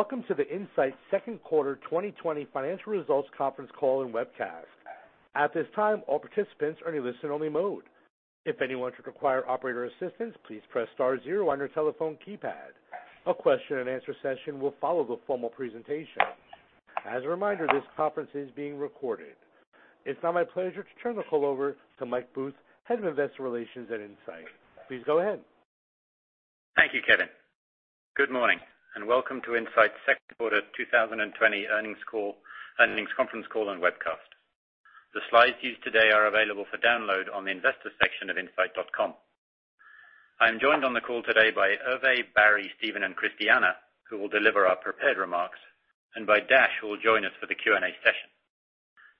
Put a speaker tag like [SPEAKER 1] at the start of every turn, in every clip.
[SPEAKER 1] Welcome to the Incyte second quarter 2020 financial results conference call and webcast. At this time, all participants are in listen only mode. If anyone should require operator assistance, please press star zero on your telephone keypad. A question and answer session will follow the formal presentation. As a reminder, this conference is being recorded. It is now my pleasure to turn the call over to Michael Booth, Head of Investor Relations at Incyte. Please go ahead.
[SPEAKER 2] Thank you, Kevin. Good morning, welcome to Incyte's second quarter 2020 earnings conference call and webcast. The slides used today are available for download on the investor section of incyte.com. I'm joined on the call today by Hervé, Barry, Steven, and Christiana, who will deliver our prepared remarks, and by Dash, who will join us for the Q&A session.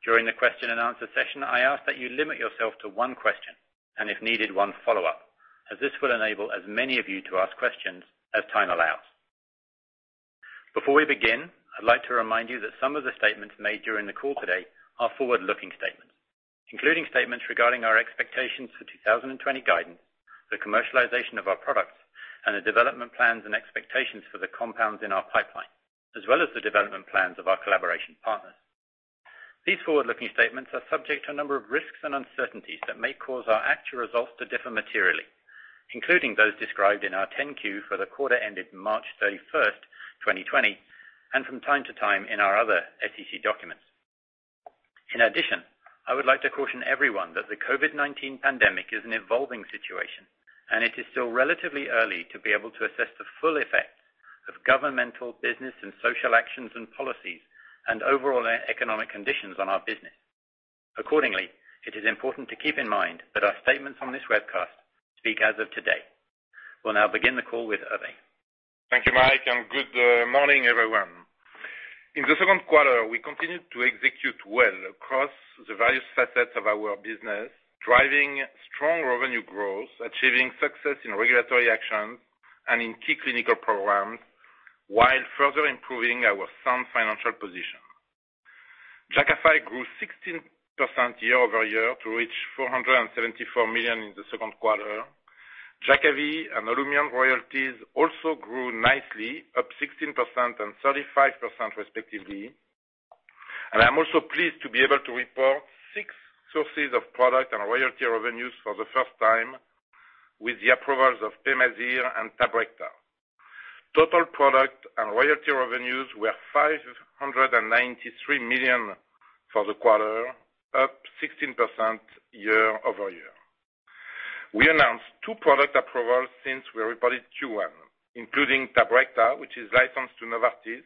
[SPEAKER 2] During the question and answer session, I ask that you limit yourself to one question, and if needed, one follow-up, as this will enable as many of you to ask questions as time allows. Before we begin, I'd like to remind you that some of the statements made during the call today are forward-looking statements, including statements regarding our expectations for 2020 guidance, the commercialization of our products, and the development plans and expectations for the compounds in our pipeline, as well as the development plans of our collaboration partners. These forward-looking statements are subject to a number of risks and uncertainties that may cause our actual results to differ materially, including those described in our 10-Q for the quarter ended March 31st, 2020, and from time to time in our other SEC documents. In addition, I would like to caution everyone that the COVID-19 pandemic is an evolving situation, and it is still relatively early to be able to assess the full effect of governmental business and social actions and policies and overall economic conditions on our business. Accordingly, it is important to keep in mind that our statements on this webcast speak as of today. We'll now begin the call with Hervé.
[SPEAKER 3] Thank you, Mike, and good morning, everyone. In the second quarter, we continued to execute well across the various facets of our business, driving strong revenue growth, achieving success in regulatory actions, and in key clinical programs, while further improving our sound financial position. Jakafi grew 16% year-over-year to reach $474 million in the second quarter. Jakavi and OLUMIANT royalties also grew nicely, up 16% and 35% respectively. I'm also pleased to be able to report six sources of product and royalty revenues for the first time with the approvals of PEMAZYRE and Tabrecta. Total product and royalty revenues were $593 million for the quarter, up 16% year-over-year. We announced two product approvals since we reported Q1, including Tabrecta, which is licensed to Novartis.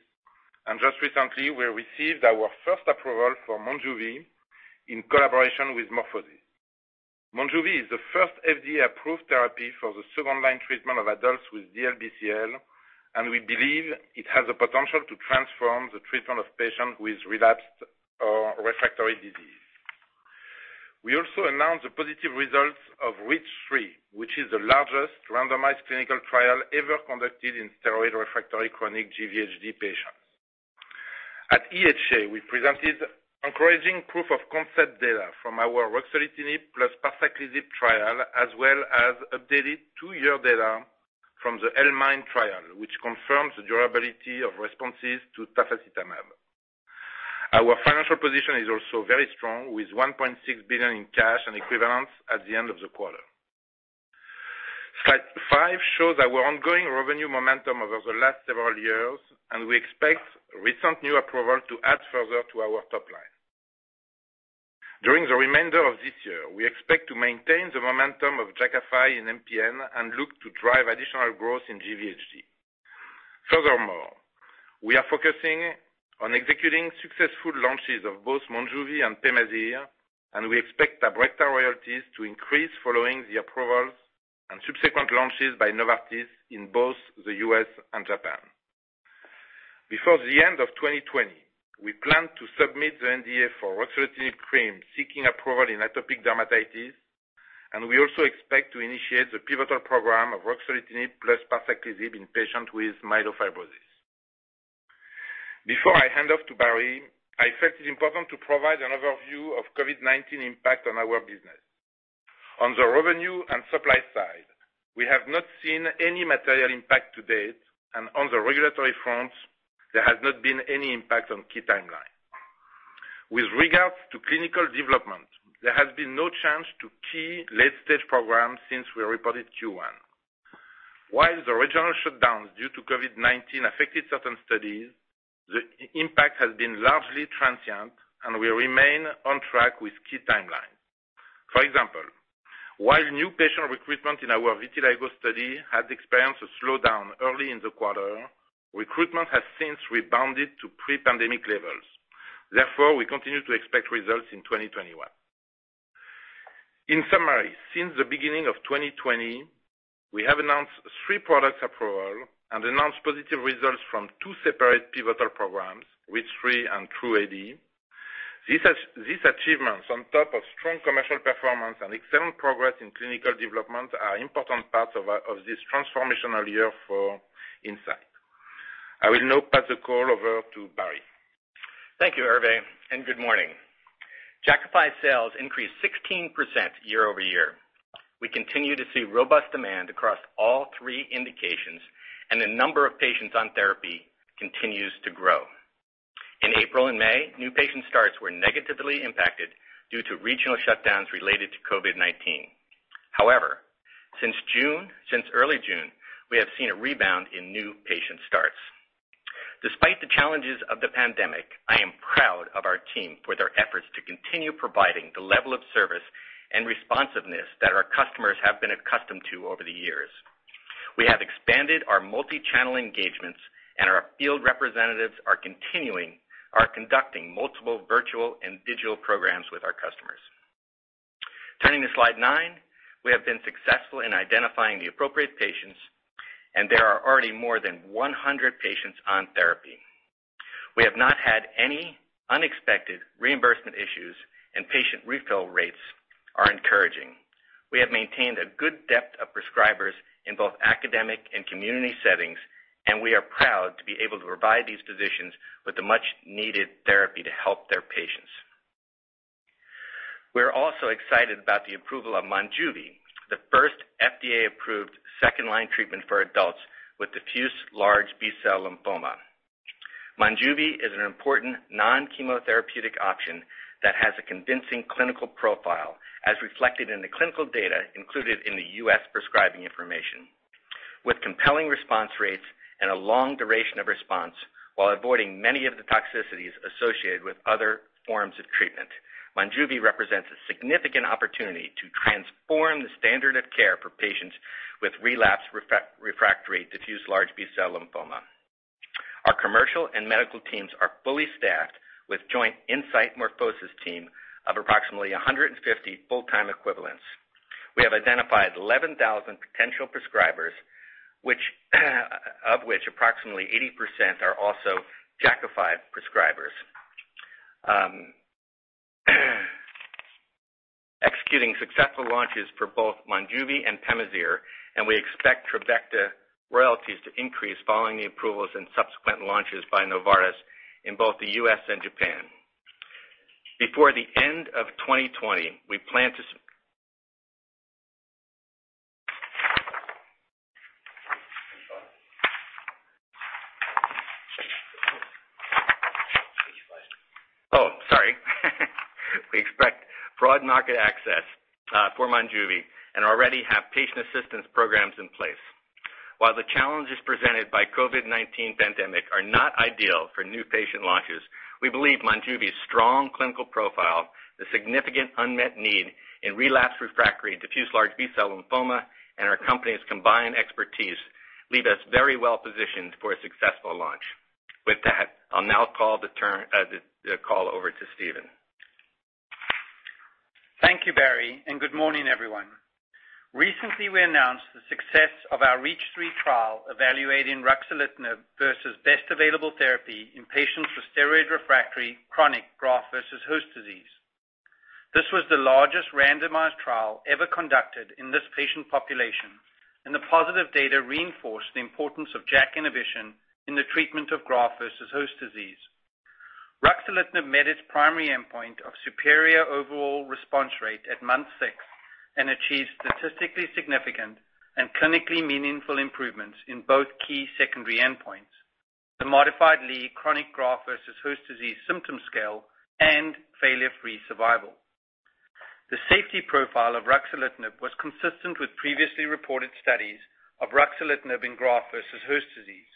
[SPEAKER 3] Just recently, we received our first approval for Monjuvi in collaboration with MorphoSys. Monjuvi is the first FDA-approved therapy for the second-line treatment of adults with DLBCL, we believe it has the potential to transform the treatment of patients with relapsed or refractory disease. We also announced the positive results of REACH3, which is the largest randomized clinical trial ever conducted in steroid-refractory chronic GVHD patients. At EHA, we presented encouraging proof-of-concept data from our ruxolitinib plus parsaclisib trial, as well as updated two-year data from the L-MIND trial, which confirms the durability of responses to tafasitamab. Our financial position is also very strong, with $1.6 billion in cash and equivalents at the end of the quarter. Slide five shows our ongoing revenue momentum over the last several years, we expect recent new approval to add further to our top line. During the remainder of this year, we expect to maintain the momentum of Jakafi in MPN and look to drive additional growth in GVHD. Furthermore, we are focusing on executing successful launches of both Monjuvi and PEMAZYRE, and we expect Tabrecta royalties to increase following the approvals and subsequent launches by Novartis in both the U.S. and Japan. Before the end of 2020, we plan to submit the NDA for ruxolitinib cream, seeking approval in atopic dermatitis, and we also expect to initiate the pivotal program of ruxolitinib plus parsaclisib in patients with myelofibrosis. Before I hand off to Barry, I felt it important to provide an overview of COVID-19 impact on our business. On the revenue and supply side, we have not seen any material impact to date, and on the regulatory front, there has not been any impact on key timelines. With regards to clinical development, there has been no change to key late-stage programs since we reported Q1. While the regional shutdowns due to COVID-19 affected certain studies, the impact has been largely transient, and we remain on track with key timelines. For example, while new patient recruitment in our vitiligo study had experienced a slowdown early in the quarter, recruitment has since rebounded to pre-pandemic levels. Therefore, we continue to expect results in 2021. In summary, since the beginning of 2020, we have announced three product approvals and announced positive results from two separate pivotal programs, REACH3 and TRuE-AD. These achievements, on top of strong commercial performance and excellent progress in clinical development, are important parts of this transformational year for Incyte. I will now pass the call over to Barry.
[SPEAKER 4] Thank you, Hervé, and good morning. Jakafi sales increased 16% year-over-year. We continue to see robust demand across all three indications, and the number of patients on therapy continues to grow. In April and May, new patient starts were negatively impacted due to regional shutdowns related to COVID-19. However, since early June, we have seen a rebound in new patient starts. Despite the challenges of the pandemic, I am proud of our team for their efforts to continue providing the level of service and responsiveness that our customers have been accustomed to over the years. We have expanded our multi-channel engagements, and our field representatives are conducting multiple virtual and digital programs with our customers. Turning to slide nine. We have been successful in identifying the appropriate patients, and there are already more than 100 patients on therapy. We have not had any unexpected reimbursement issues, and patient refill rates are encouraging. We have maintained a good depth of prescribers in both academic and community settings, and we are proud to be able to provide these physicians with the much-needed therapy to help their patients. We are also excited about the approval of Monjuvi, the first FDA-approved second-line treatment for adults with diffuse large B-cell lymphoma. Monjuvi is an important non-chemotherapeutic option that has a convincing clinical profile, as reflected in the clinical data included in the U.S. prescribing information. With compelling response rates and a long duration of response, while avoiding many of the toxicities associated with other forms of treatment, Monjuvi represents a significant opportunity to transform the standard of care for patients with relapsed refractory diffuse large B-cell lymphoma. Our commercial and medical teams are fully staffed with joint Incyte MorphoSys team of approximately 150 full-time equivalents. We have identified 11,000 potential prescribers, of which approximately 80% are also Jakafi prescribers. Executing successful launches for both Monjuvi and PEMAZYRE, and we expect Tabrecta royalties to increase following the approvals and subsequent launches by Novartis in both the U.S. and Japan. We expect broad market access for Monjuvi and already have patient assistance programs in place. While the challenges presented by COVID-19 pandemic are not ideal for new patient launches, we believe Monjuvi's strong clinical profile, the significant unmet need in relapsed refractory diffuse large B-cell lymphoma, and our company's combined expertise leave us very well positioned for a successful launch. With that, I'll now call over to Steven.
[SPEAKER 5] Thank you, Barry, and good morning, everyone. Recently, we announced the success of our REACH3 trial evaluating ruxolitinib versus best available therapy in patients with steroid-refractory chronic graft-versus-host disease. This was the largest randomized trial ever conducted in this patient population, and the positive data reinforced the importance of JAK inhibition in the treatment of graft-versus-host disease. ruxolitinib met its primary endpoint of superior overall response rate at month six and achieved statistically significant and clinically meaningful improvements in both key secondary endpoints, the modified Lee chronic graft-versus-host disease symptom scale and failure-free survival. The safety profile of ruxolitinib was consistent with previously reported studies of ruxolitinib in graft-versus-host disease.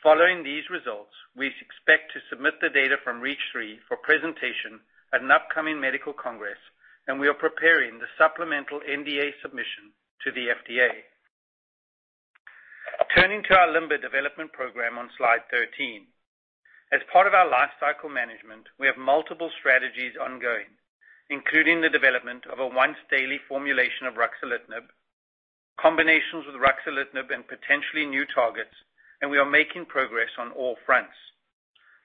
[SPEAKER 5] Following these results, we expect to submit the data from REACH3 for presentation at an upcoming medical congress, and we are preparing the supplemental NDA submission to the FDA. Turning to our LIMBER development program on slide 13. As part of our lifecycle management, we have multiple strategies ongoing, including the development of a once-daily formulation of ruxolitinib, combinations with ruxolitinib and potentially new targets, and we are making progress on all fronts.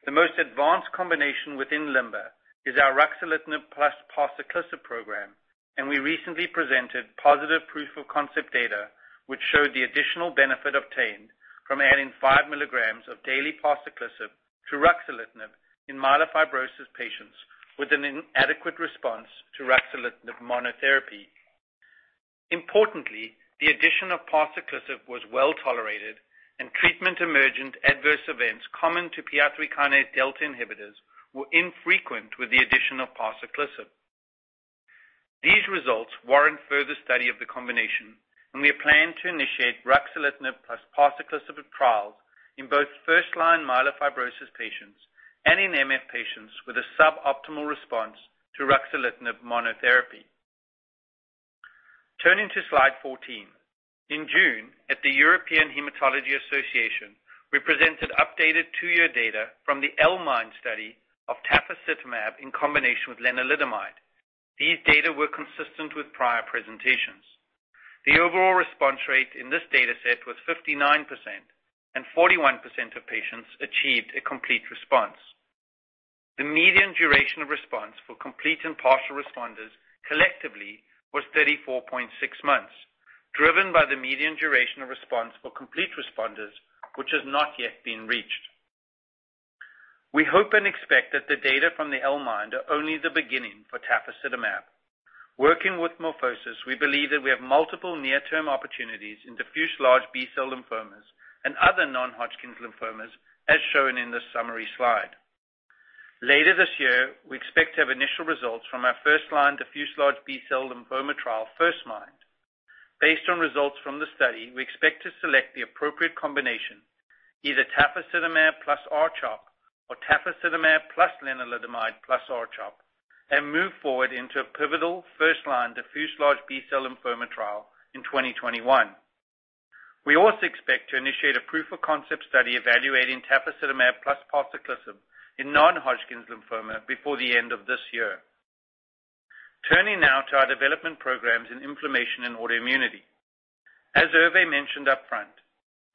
[SPEAKER 5] The most advanced combination within LIMBER is our ruxolitinib plus parsaclisib program, and we recently presented positive proof of concept data, which showed the additional benefit obtained from adding 5 mg of daily parsaclisib to ruxolitinib in myelofibrosis patients with an inadequate response to ruxolitinib monotherapy. Importantly, the addition of parsaclisib was well-tolerated, and treatment-emergent adverse events common to PI3K delta inhibitors were infrequent with the addition of parsaclisib. These results warrant further study of the combination, and we plan to initiate ruxolitinib plus parsaclisib trials in both first-line myelofibrosis patients and in MF patients with a suboptimal response to ruxolitinib monotherapy. Turning to slide 14. In June, at the European Hematology Association, we presented updated two-year data from the L-MIND study of tafasitamab in combination with lenalidomide. These data were consistent with prior presentations. The overall response rate in this data set was 59%, and 41% of patients achieved a complete response. The median duration of response for complete and partial responders collectively was 34.6 months. Driven by the median duration of response for complete responders, which has not yet been reached. We hope and expect that the data from the L-MIND are only the beginning for tafasitamab. Working with MorphoSys, we believe that we have multiple near-term opportunities in diffuse large B-cell lymphomas and other non-Hodgkin lymphomas, as shown in this summary slide. Later this year, we expect to have initial results from our first-line diffuse large B-cell lymphoma trial, frontMIND. Based on results from the study, we expect to select the appropriate combination, either tafasitamab plus R-CHOP, or tafasitamab plus lenalidomide plus R-CHOP, and move forward into a pivotal first-line diffuse large B-cell lymphoma trial in 2021. We also expect to initiate a proof-of-concept study evaluating tafasitamab plus parsaclisib in non-Hodgkin's lymphoma before the end of this year. Turning now to our development programs in inflammation and autoimmunity. As Hervé mentioned upfront,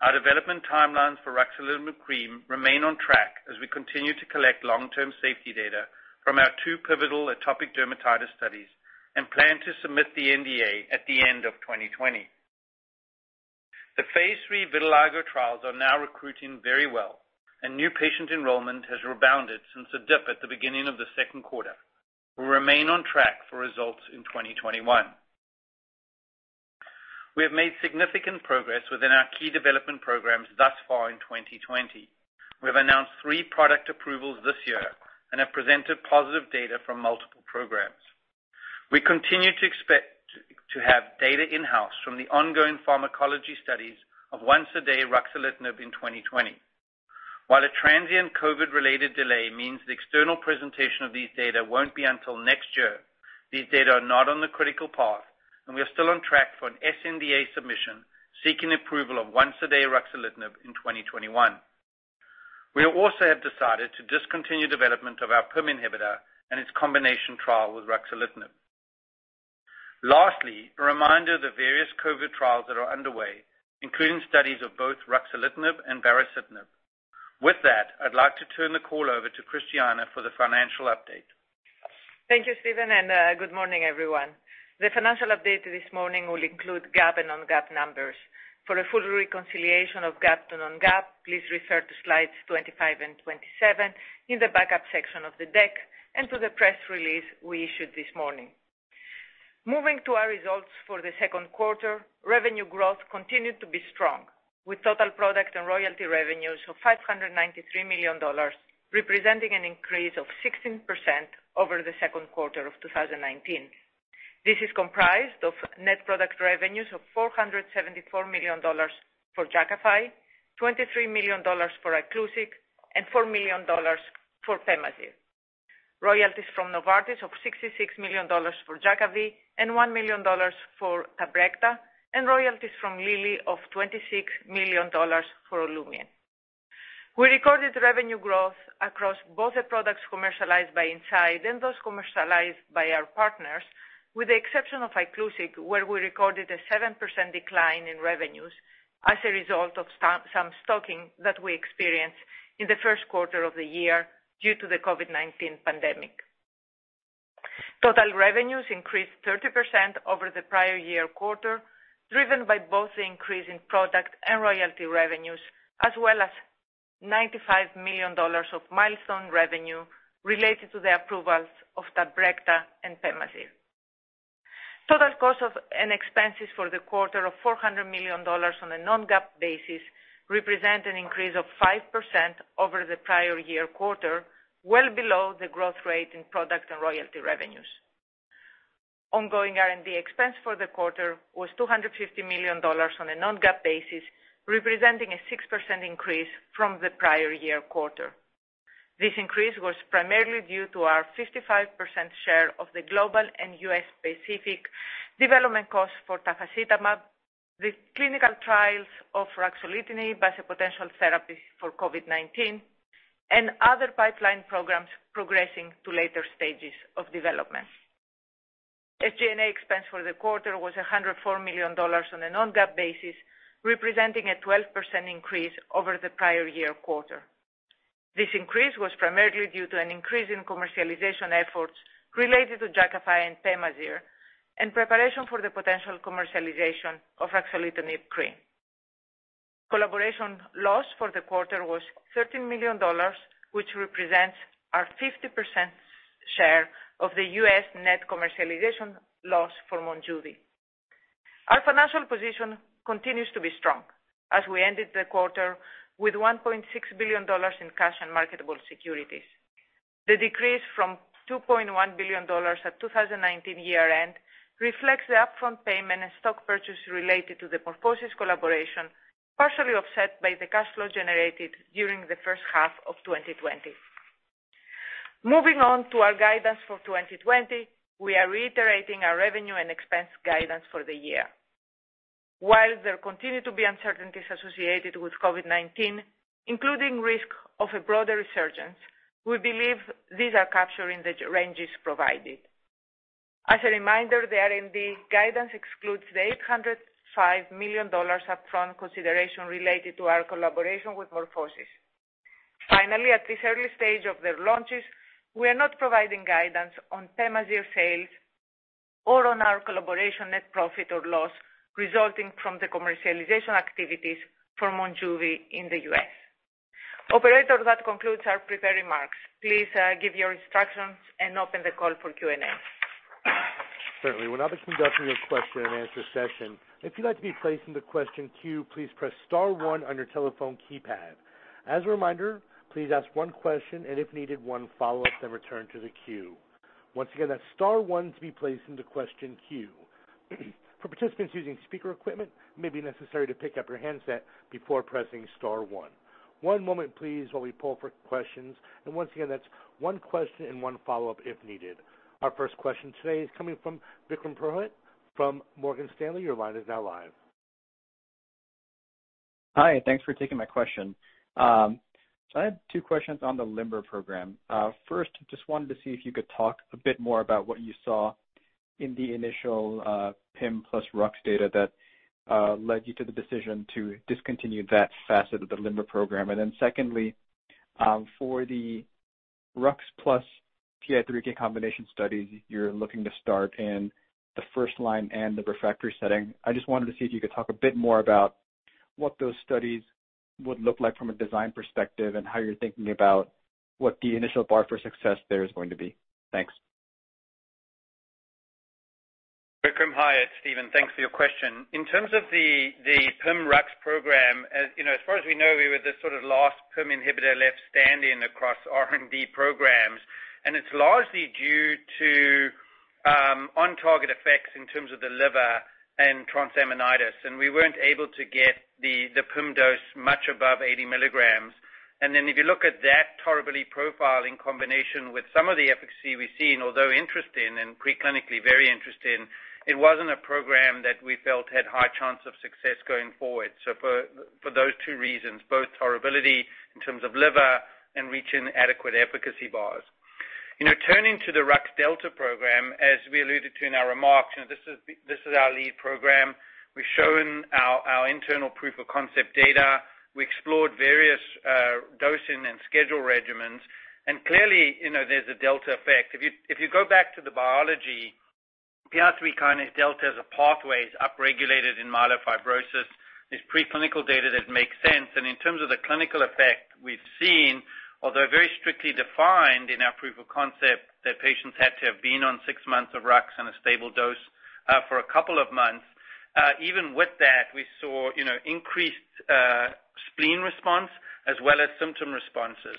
[SPEAKER 5] our development timelines for ruxolitinib cream remain on track as we continue to collect long-term safety data from our two pivotal atopic dermatitis studies, and plan to submit the NDA at the end of 2020. The phase III vitiligo trials are now recruiting very well, and new patient enrollment has rebounded since a dip at the beginning of the second quarter. We remain on track for results in 2021. We have made significant progress within our key development programs thus far in 2020. We have announced three product approvals this year and have presented positive data from multiple programs. We continue to expect to have data in-house from the ongoing pharmacology studies of once-a-day ruxolitinib in 2020. While a transient COVID-related delay means the external presentation of these data won't be until next year, these data are not on the critical path, and we are still on track for an sNDA submission, seeking approval of once-a-day ruxolitinib in 2021. We also have decided to discontinue development of our PIM inhibitor and its combination trial with ruxolitinib. Lastly, a reminder of the various COVID trials that are underway, including studies of both ruxolitinib and baricitinib. With that, I'd like to turn the call over to Christiana for the financial update.
[SPEAKER 6] Thank you, Steven. Good morning, everyone. The financial update this morning will include GAAP and non-GAAP numbers. For a full reconciliation of GAAP to non-GAAP, please refer to slides 25 and 27 in the backup section of the deck, and to the press release we issued this morning. Moving to our results for the second quarter, revenue growth continued to be strong, with total product and royalty revenues of $593 million, representing an increase of 16% over the second quarter of 2019. This is comprised of net product revenues of $474 million for Jakafi, $23 million for ICLUSIG, and $4 million for PEMAZYRE. Royalties from Novartis of $66 million for Jakavi and $1 million for Tabrecta, and royalties from Lilly of $26 million for OLUMIANT. We recorded revenue growth across both the products commercialized by Incyte and those commercialized by our partners, with the exception of ICLUSIG, where we recorded a 7% decline in revenues as a result of some stocking that we experienced in the first quarter of the year due to the COVID-19 pandemic. Total revenues increased 30% over the prior year quarter, driven by both the increase in product and royalty revenues, as well as $95 million of milestone revenue related to the approvals of Tabrecta and PEMAZYRE. Total costs and expenses for the quarter of $400 million on a non-GAAP basis represent an increase of 5% over the prior year quarter, well below the growth rate in product and royalty revenues. Ongoing R&D expense for the quarter was $250 million on a non-GAAP basis, representing a 6% increase from the prior year quarter. This increase was primarily due to our 55% share of the global and U.S.-specific development costs for tafasitamab, the clinical trials of ruxolitinib as a potential therapy for COVID-19, and other pipeline programs progressing to later stages of development. SG&A expense for the quarter was $104 million on a non-GAAP basis, representing a 12% increase over the prior year quarter. This increase was primarily due to an increase in commercialization efforts related to Jakafi and PEMAZYRE, and preparation for the potential commercialization of ruxolitinib cream. Collaboration loss for the quarter was $13 million, which represents our 50% share of the U.S. net commercialization loss for Monjuvi. Our financial position continues to be strong as we ended the quarter with $1.6 billion in cash and marketable securities. The decrease from $2.1 billion at 2019 year-end reflects the upfront payment and stock purchase related to the MorphoSys collaboration, partially offset by the cash flow generated during the first half of 2020. Moving on to our guidance for 2020. We are reiterating our revenue and expense guidance for the year. While there continue to be uncertainties associated with COVID-19, including risk of a broader resurgence, we believe these are captured in the ranges provided. As a reminder, the R&D guidance excludes the $805 million upfront consideration related to our collaboration with MorphoSys. Finally, at this early stage of their launches, we are not providing guidance on PEMAZYRE sales or on our collaboration net profit or loss resulting from the commercialization activities for Monjuvi in the U.S. Operator, that concludes our prepared remarks. Please give your instructions and open the call for Q&A.
[SPEAKER 1] Certainly. We're now conducting your question and answer session. If you'd like to be placed into the question queue, please press star one on your telephone keypad. As a reminder, please ask one question, and if needed, one follow-up, then return to the queue. Once again, that's star one to be placed into question queue. For participants using speaker equipment, it may be necessary to pick up your handset before pressing star one. One moment please, while we poll for questions. Once again, that's one question and one follow-up if needed. Our first question today is coming from Vikram Purohit from Morgan Stanley. Your line is now live.
[SPEAKER 7] Hi, thanks for taking my question. I had two questions on the LIMBER program. First, just wanted to see if you could talk a bit more about what you saw in the initial PIM plus rux data that led you to the decision to discontinue that facet of the LIMBER program. Secondly, for the rux plus PI3K combination studies you're looking to start in the first line and the refractory setting, I just wanted to see if you could talk a bit more about what those studies would look like from a design perspective and how you're thinking about what the initial bar for success there is going to be. Thanks.
[SPEAKER 5] Vikram, hi. It's Steven. Thanks for your question. In terms of the PIM rux program, as far as we know, we were the sort of last PIM inhibitor left standing across R&D programs, and it's largely due to on-target effects in terms of the liver and transaminitis. We weren't able to get the PIM dose much above 80 mg. If you look at that tolerability profile in combination with some of the efficacy we've seen, although interesting and pre-clinically very interesting, it wasn't a program that we felt had high chance of success going forward. For those two reasons, both tolerability in terms of liver and reaching adequate efficacy bars. Turning to the rux delta program, as we alluded to in our remarks, this is our lead program. We've shown our internal proof of concept data. We explored various dosing and schedule regimens. Clearly, there's a delta effect. If you go back to the biology, PI3K delta as a pathway is upregulated in myelofibrosis. There's pre-clinical data that makes sense. In terms of the clinical effect we've seen, although very strictly defined in our proof of concept that patients had to have been on six months of rux on a stable dose for a couple of months. Even with that, we saw increased spleen response as well as symptom responses.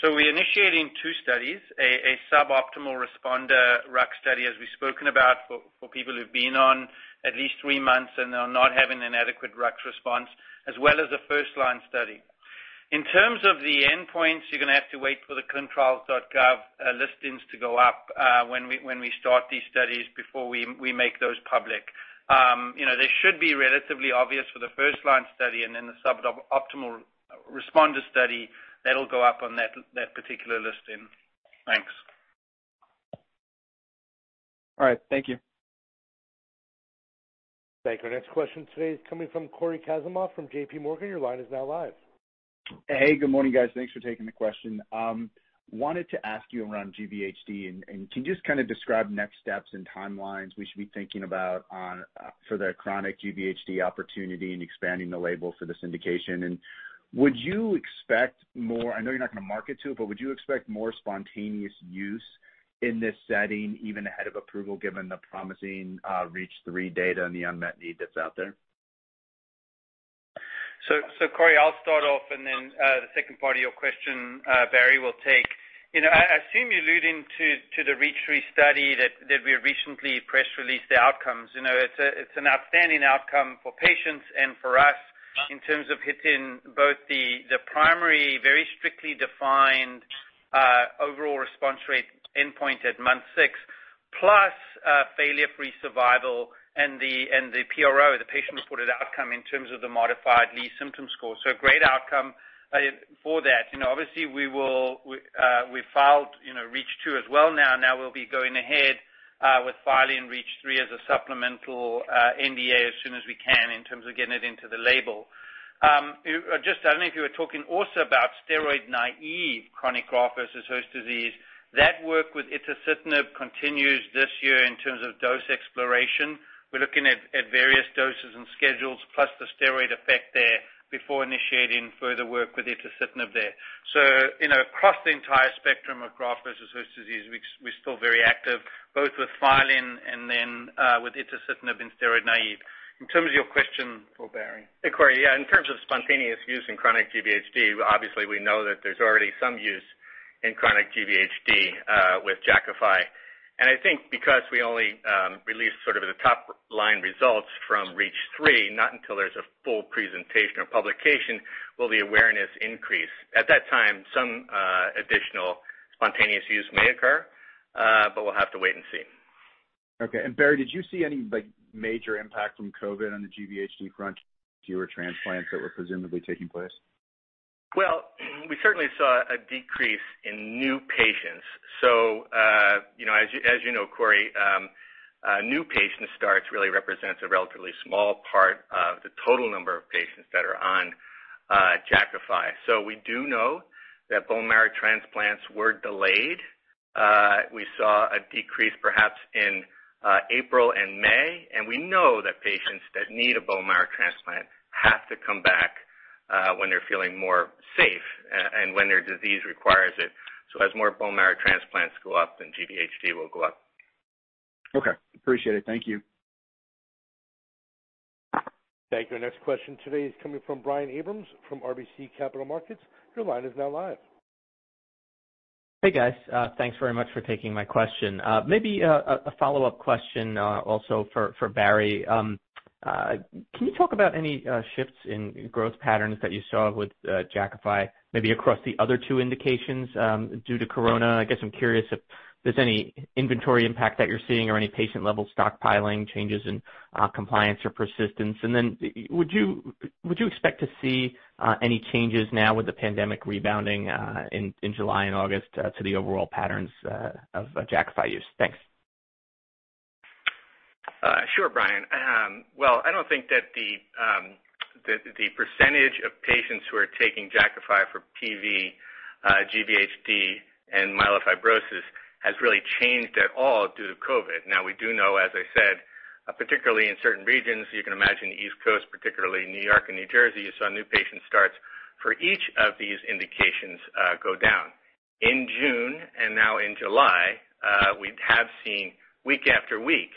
[SPEAKER 5] We're initiating two studies, a suboptimal responder rux study, as we've spoken about, for people who've been on at least three months and are not having an adequate rux response, as well as a first-line study. In terms of the endpoints, you're going to have to wait for the clinicaltrials.gov listings to go up when we start these studies before we make those public. They should be relatively obvious for the first line study and then the suboptimal responder study, that'll go up on that particular listing. Thanks.
[SPEAKER 7] All right. Thank you.
[SPEAKER 1] Thank you. Our next question today is coming from Cory Kasimov from JPMorgan. Your line is now live.
[SPEAKER 8] Hey, good morning, guys. Thanks for taking the question. Can you just kind of describe next steps and timelines we should be thinking about for the chronic GVHD opportunity and expanding the label for this indication? Would you expect more, I know you're not going to market to it, but would you expect more spontaneous use in this setting even ahead of approval given the promising REACH3 data and the unmet need that's out there?
[SPEAKER 5] Cory, I'll start off and then the second part of your question, Barry will take. I assume you're alluding to the REACH3 study that we recently press released the outcomes. It's an outstanding outcome for patients and for us in terms of hitting both the primary, very strictly defined overall response rate endpoint at month six, plus failure-free survival and the PRO, the patient-reported outcome in terms of the modified least symptom score. So a great outcome for that. Obviously we filed REACH2 as well now. Now we'll be going ahead with filing REACH3 as supplemental NDA as soon as we can in terms of getting it into the label. I don't know if you were talking also about steroid-naive chronic graft-versus-host disease. That work with itacitinib continues this year in terms of dose exploration. We're looking at various doses and schedules plus the steroid effect there before initiating further work with itacitinib there. Across the entire spectrum of graft versus host disease, we're still very active both with filing and then with itacitinib in steroid naive. In terms of your question for Barry.
[SPEAKER 4] Hey, Cory. Yeah, in terms of spontaneous use in chronic GVHD, obviously we know that there's already some use in chronic GVHD with Jakafi. I think because we only released sort of the top-line results from REACH3, not until there's a full presentation or publication will the awareness increase. At that time, some additional spontaneous use may occur, but we'll have to wait and see.
[SPEAKER 8] Okay. Barry, did you see any major impact from COVID on the GVHD front, fewer transplants that were presumably taking place?
[SPEAKER 4] Well, we certainly saw a decrease in new patients. As you know, Cory, new patient starts really represents a relatively small part of the total number of patients that are on Jakafi. We do know that bone marrow transplants were delayed. We saw a decrease perhaps in April and May, and we know that patients that need a bone marrow transplant have to come back when they're feeling more safe and when their disease requires it. As more bone marrow transplants go up, then GVHD will go up.
[SPEAKER 8] Okay. Appreciate it. Thank you.
[SPEAKER 1] Thank you. Our next question today is coming from Brian Abrahams from RBC Capital Markets. Your line is now live.
[SPEAKER 9] Hey, guys. Thanks very much for taking my question. Maybe a follow-up question also for Barry. Can you talk about any shifts in growth patterns that you saw with Jakafi, maybe across the other two indications due to corona? I guess I'm curious if there's any inventory impact that you're seeing or any patient-level stockpiling changes in compliance or persistence. Would you expect to see any changes now with the pandemic rebounding in July and August to the overall patterns of Jakafi use? Thanks.
[SPEAKER 4] Sure, Brian. I don't think that the percentage of patients who are taking Jakafi for PV, GVHD, and myelofibrosis has really changed at all due to COVID. We do know, as I said, particularly in certain regions, you can imagine the East Coast, particularly New York and New Jersey, you saw new patient starts for each of these indications go down. In June and now in July, we have seen week after week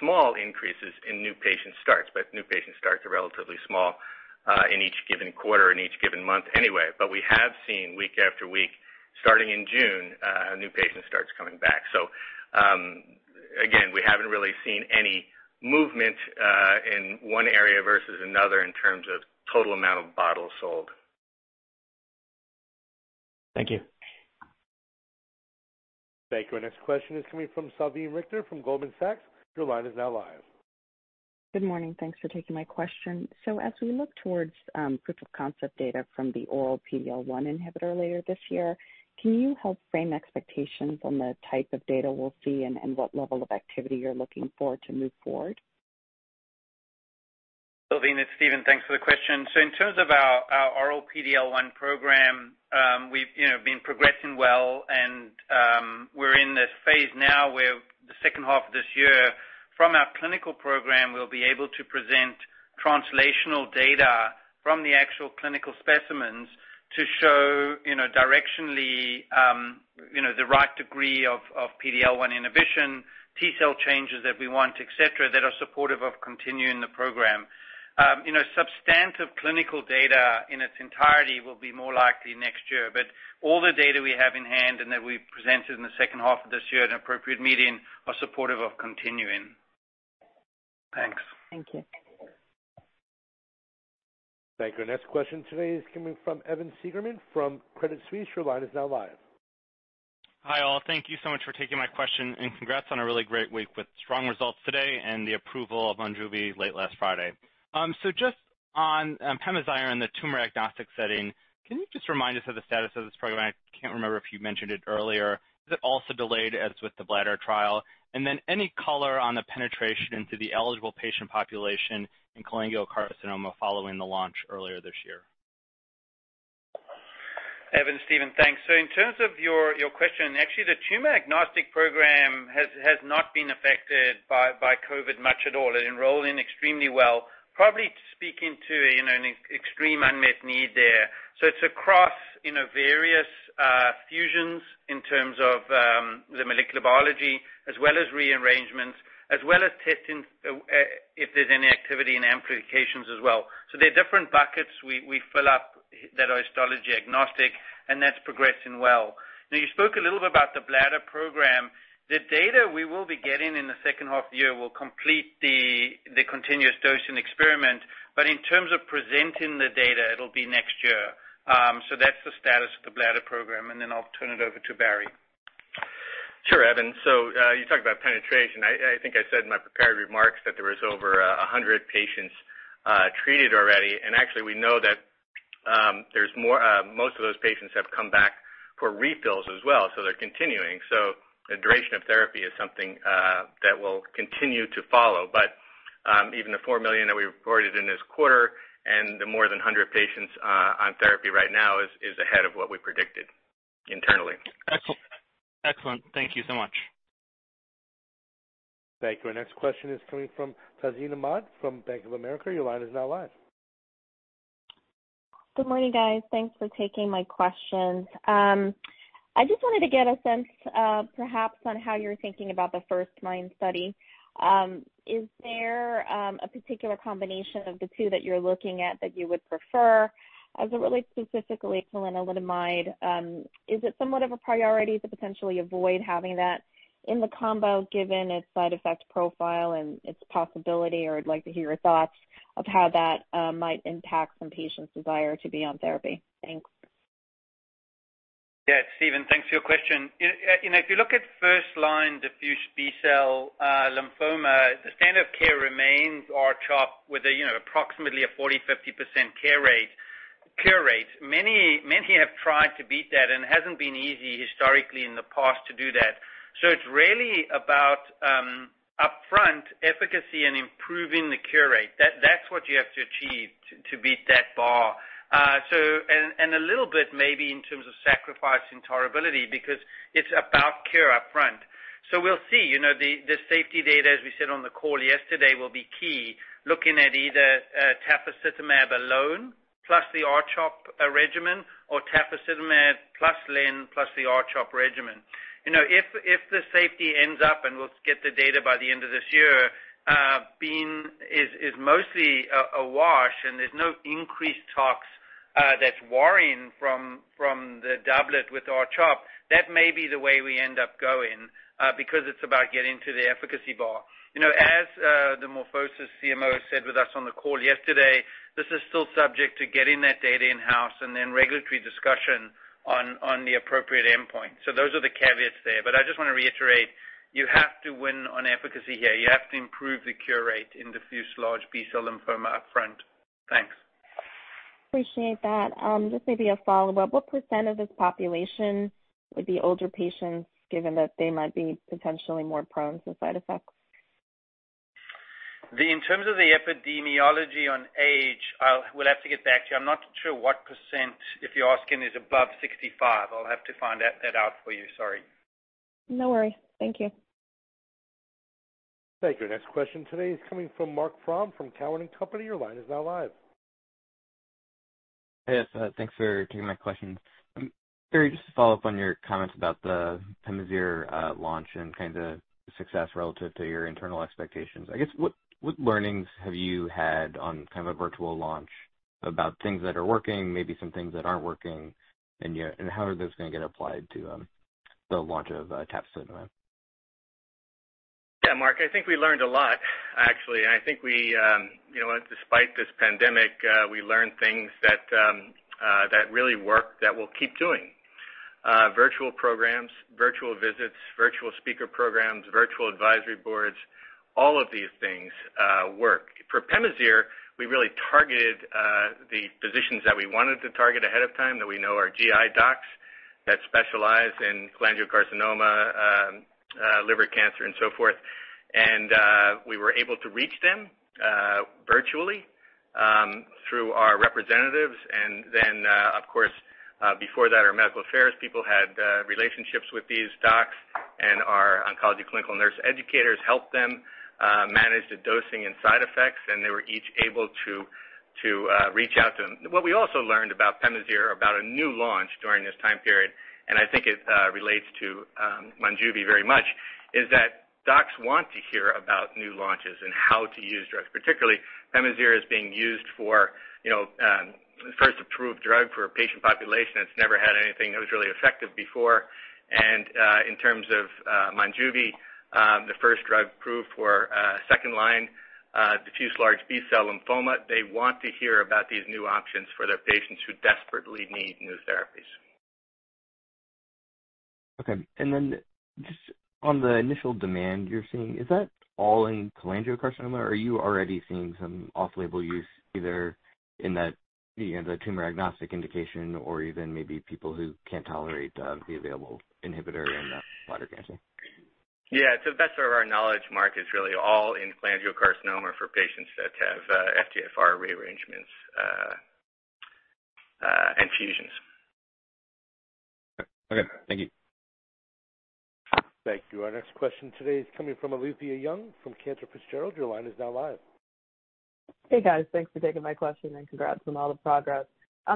[SPEAKER 4] small increases in new patient starts, new patient starts are relatively small in each given quarter, in each given month anyway. We have seen week after week, starting in June, new patient starts coming back. Again, we haven't really seen any movement in one area versus another in terms of total amount of bottles sold.
[SPEAKER 9] Thank you.
[SPEAKER 1] Thank you. Our next question is coming from Salveen Richter from Goldman Sachs. Your line is now live.
[SPEAKER 10] Good morning. Thanks for taking my question. As we look towards proof of concept data from the oral PD-L1 inhibitor later this year, can you help frame expectations on the type of data we'll see and what level of activity you're looking for to move forward?
[SPEAKER 5] Salveen, it's Steven. Thanks for the question. In terms of our oral PD-L1 program, we've been progressing well and we're in this phase now where the second half of this year from our clinical program, we'll be able to present translational data from the actual clinical specimens to show directionally the right degree of PD-L1 inhibition, T-cell changes that we want, et cetera, that are supportive of continuing the program. Substantive clinical data in its entirety will be more likely next year, all the data we have in hand and that we've presented in the second half of this year at an appropriate meeting are supportive of continuing. Thanks.
[SPEAKER 10] Thank you.
[SPEAKER 1] Thank you. Our next question today is coming from Evan Seigerman from Credit Suisse. Your line is now live.
[SPEAKER 11] Hi, all. Thank you so much for taking my question and congrats on a really great week with strong results today and the approval of Monjuvi late last Friday. Just on PEMAZYRE in the tumor agnostic setting, can you just remind us of the status of this program? I can't remember if you mentioned it earlier. Is it also delayed as with the bladder trial? Any color on the penetration into the eligible patient population in cholangiocarcinoma following the launch earlier this year?
[SPEAKER 5] Evan, Steven. Thanks. In terms of your question, actually, the tumor agnostic program has not been affected by COVID much at all. It enrolled in extremely well, probably speaking to an extreme unmet need there. It's across various fusions in terms of the molecular biology as well as rearrangements, as well as testing if there's any activity in amplifications as well. There are different buckets we fill up that are histology agnostic, and that's progressing well. You spoke a little bit about the bladder program. The data we will be getting in the second half of the year will complete the continuous dosing experiment. In terms of presenting the data, it'll be next year. That's the status of the bladder program, and then I'll turn it over to Barry.
[SPEAKER 4] Sure, Evan. You talked about penetration. I think I said in my prepared remarks that there was over 100 patients treated already. Actually, we know that most of those patients have come back for refills as well, so they're continuing. The duration of therapy is something that we'll continue to follow. Even the $4 million that we reported in this quarter and the more than 100 patients on therapy right now is ahead of what we predicted internally.
[SPEAKER 11] Excellent. Thank you so much.
[SPEAKER 1] Thank you. Our next question is coming from Tazeen Ahmad from Bank of America. Your line is now live.
[SPEAKER 12] Good morning, guys. Thanks for taking my questions. I just wanted to get a sense perhaps on how you're thinking about the first-line study. Is there a particular combination of the two that you're looking at that you would prefer? As it relates specifically to lenalidomide, is it somewhat of a priority to potentially avoid having that in the combo given its side effect profile and its possibility? I'd like to hear your thoughts of how that might impact some patients' desire to be on therapy. Thanks.
[SPEAKER 5] Yeah. Steven, thanks for your question. If you look at first-line diffuse B-cell lymphoma, the standard of care remains R-CHOP with approximately a 40%, 50% cure rate cure rate. Many have tried to beat that, and it hasn't been easy historically in the past to do that. It's really about upfront efficacy and improving the cure rate. That's what you have to achieve to beat that bar. A little bit maybe in terms of sacrificing tolerability, because it's about cure upfront. We'll see. The safety data, as we said on the call yesterday, will be key, looking at either tafasitamab alone, plus the R-CHOP regimen or tafasitamab plus len, plus the R-CHOP regimen. If the safety ends up, and we'll get the data by the end of this year, is mostly a wash and there's no increased tox that's worrying from the doublet with R-CHOP, that may be the way we end up going, because it's about getting to the efficacy bar. As the MorphoSys CMO said with us on the call yesterday, this is still subject to getting that data in-house and then regulatory discussion on the appropriate endpoint. Those are the caveats there. I just want to reiterate, you have to win on efficacy here. You have to improve the cure rate in diffuse large B-cell lymphoma upfront. Thanks.
[SPEAKER 12] Appreciate that. Just maybe a follow-up. What % of this population would be older patients, given that they might be potentially more prone to side effects?
[SPEAKER 4] In terms of the epidemiology on age, we'll have to get back to you. I'm not sure what percent, if you're asking, is above 65%. I'll have to find that out for you, sorry.
[SPEAKER 12] No worry. Thank you.
[SPEAKER 1] Thank you. Next question today is coming from Marc Frahm from Cowen and Company. Your line is now live.
[SPEAKER 13] Yes, thanks for taking my questions. Barry, just to follow up on your comments about the PEMAZYRE launch and kind of the success relative to your internal expectations. I guess, what learnings have you had on kind of a virtual launch about things that are working, maybe some things that aren't working, and how are those going to get applied to the launch of tafasitamab?
[SPEAKER 4] Yeah, Marc, I think we learned a lot, actually. I think despite this pandemic, we learned things that really work that we'll keep doing. Virtual programs, virtual visits, virtual speaker programs, virtual advisory boards, all of these things work. For PEMAZYRE, we really targeted the physicians that we wanted to target ahead of time that we know are GI docs that specialize in cholangiocarcinoma, liver cancer, and so forth. We were able to reach them virtually through our representatives. Of course, before that, our medical affairs people had relationships with these docs, and our oncology clinical nurse educators helped them manage the dosing and side effects, and they were each able to reach out to them. What we also learned about PEMAZYRE, about a new launch during this time period, and I think it relates to Monjuvi very much, is that docs want to hear about new launches and how to use drugs. Particularly, PEMAZYRE is being used for the first approved drug for a patient population that's never had anything that was really effective before. In terms of Monjuvi, the first drug approved for second-line diffuse large B-cell lymphoma. They want to hear about these new options for their patients who desperately need new therapies.
[SPEAKER 13] Okay. Just on the initial demand you're seeing, is that all in cholangiocarcinoma, or are you already seeing some off-label use, either in the tumor-agnostic indication or even maybe people who can't tolerate the available inhibitor in the bladder cancer?
[SPEAKER 4] Yeah. To the best of our knowledge, Marc, it's really all in cholangiocarcinoma for patients that have FGFR rearrangements and fusions.
[SPEAKER 13] Okay. Thank you.
[SPEAKER 1] Thank you. Our next question today is coming from Alethia Young from Cantor Fitzgerald. Your line is now live.
[SPEAKER 14] Hey, guys. Thanks for taking my question, and congrats on all the progress.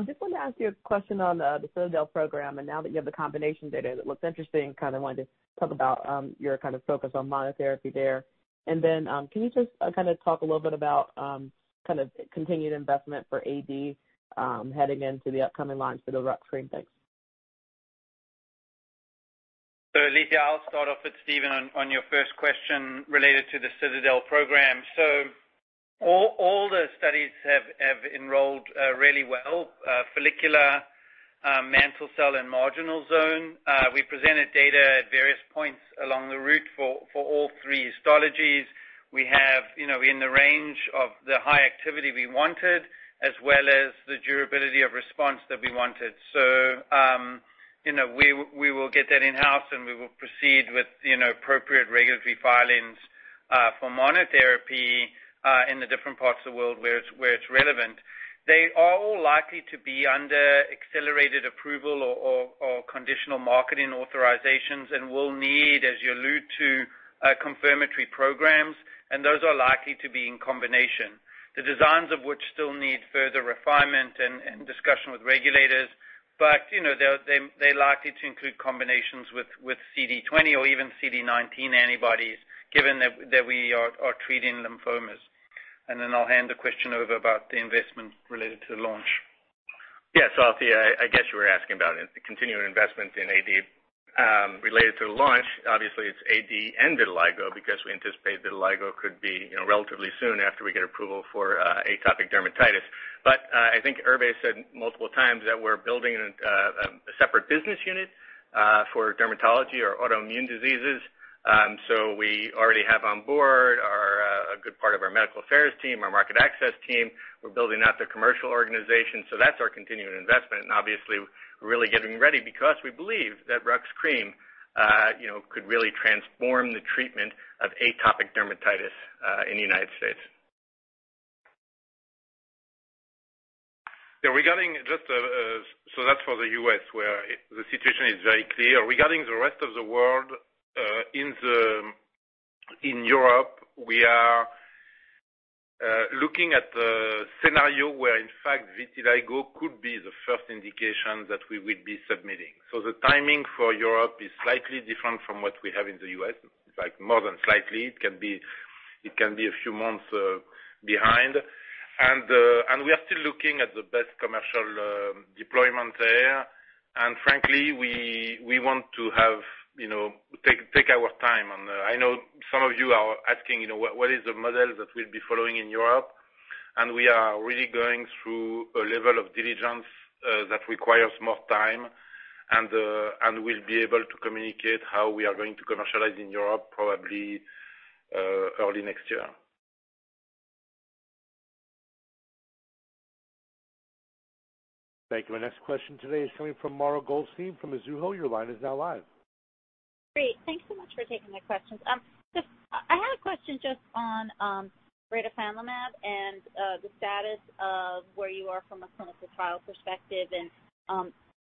[SPEAKER 14] Just wanted to ask you a question on the CITADEL program. Now that you have the combination data, that looks interesting, kind of wanted to talk about your kind of focus on monotherapy there. Can you just kind of talk a little bit about kind of continued investment for AD heading into the upcoming launch for the rux cream? Thanks.
[SPEAKER 5] Alethia, I'll start off. It's Steven. On your first question related to the CITADEL program. All the studies have enrolled really well, follicular, mantle cell, and marginal zone. We presented data at various points along the route for all three histologies. We have in the range of the high activity we wanted, as well as the durability of response that we wanted. We will get that in-house, and we will proceed with appropriate regulatory filings for monotherapy in the different parts of the world where it's relevant. They are all likely to be under accelerated approval or conditional marketing authorizations and will need, as you allude to, confirmatory programs, and those are likely to be in combination. The designs of which still need further refinement and discussion with regulators, but they're likely to include combinations with CD20 or even CD19 antibodies, given that we are treating lymphomas. I'll hand the question over about the investment related to the launch.
[SPEAKER 4] Alethia, I guess you were asking about it, the continuing investment in AD related to the launch. Obviously, it's AD and vitiligo because we anticipate vitiligo could be relatively soon after we get approval for atopic dermatitis. I think Hervé said multiple times that we're building a separate business unit for dermatology or autoimmune diseases. We already have on board part of our medical affairs team, our market access team. We're building out the commercial organization. That's our continuing investment. Obviously, we're really getting ready because we believe that rux cream could really transform the treatment of atopic dermatitis in the United States.
[SPEAKER 3] That's for the U.S., where the situation is very clear. Regarding the rest of the world, in Europe, we are looking at the scenario where, in fact, vitiligo could be the first indication that we will be submitting. The timing for Europe is slightly different from what we have in the U.S. In fact, more than slightly, it can be a few months behind. We are still looking at the best commercial deployment there. Frankly, we want to take our time. I know some of you are asking, what is the model that we'll be following in Europe? We are really going through a level of diligence that requires more time. We'll be able to communicate how we are going to commercialize in Europe, probably early next year.
[SPEAKER 1] Thank you. Our next question today is coming from Mara Goldstein from Mizuho. Your line is now live.
[SPEAKER 15] Great. Thanks so much for taking my questions. I had a question just on retifanlimab and the status of where you are from a clinical trial perspective and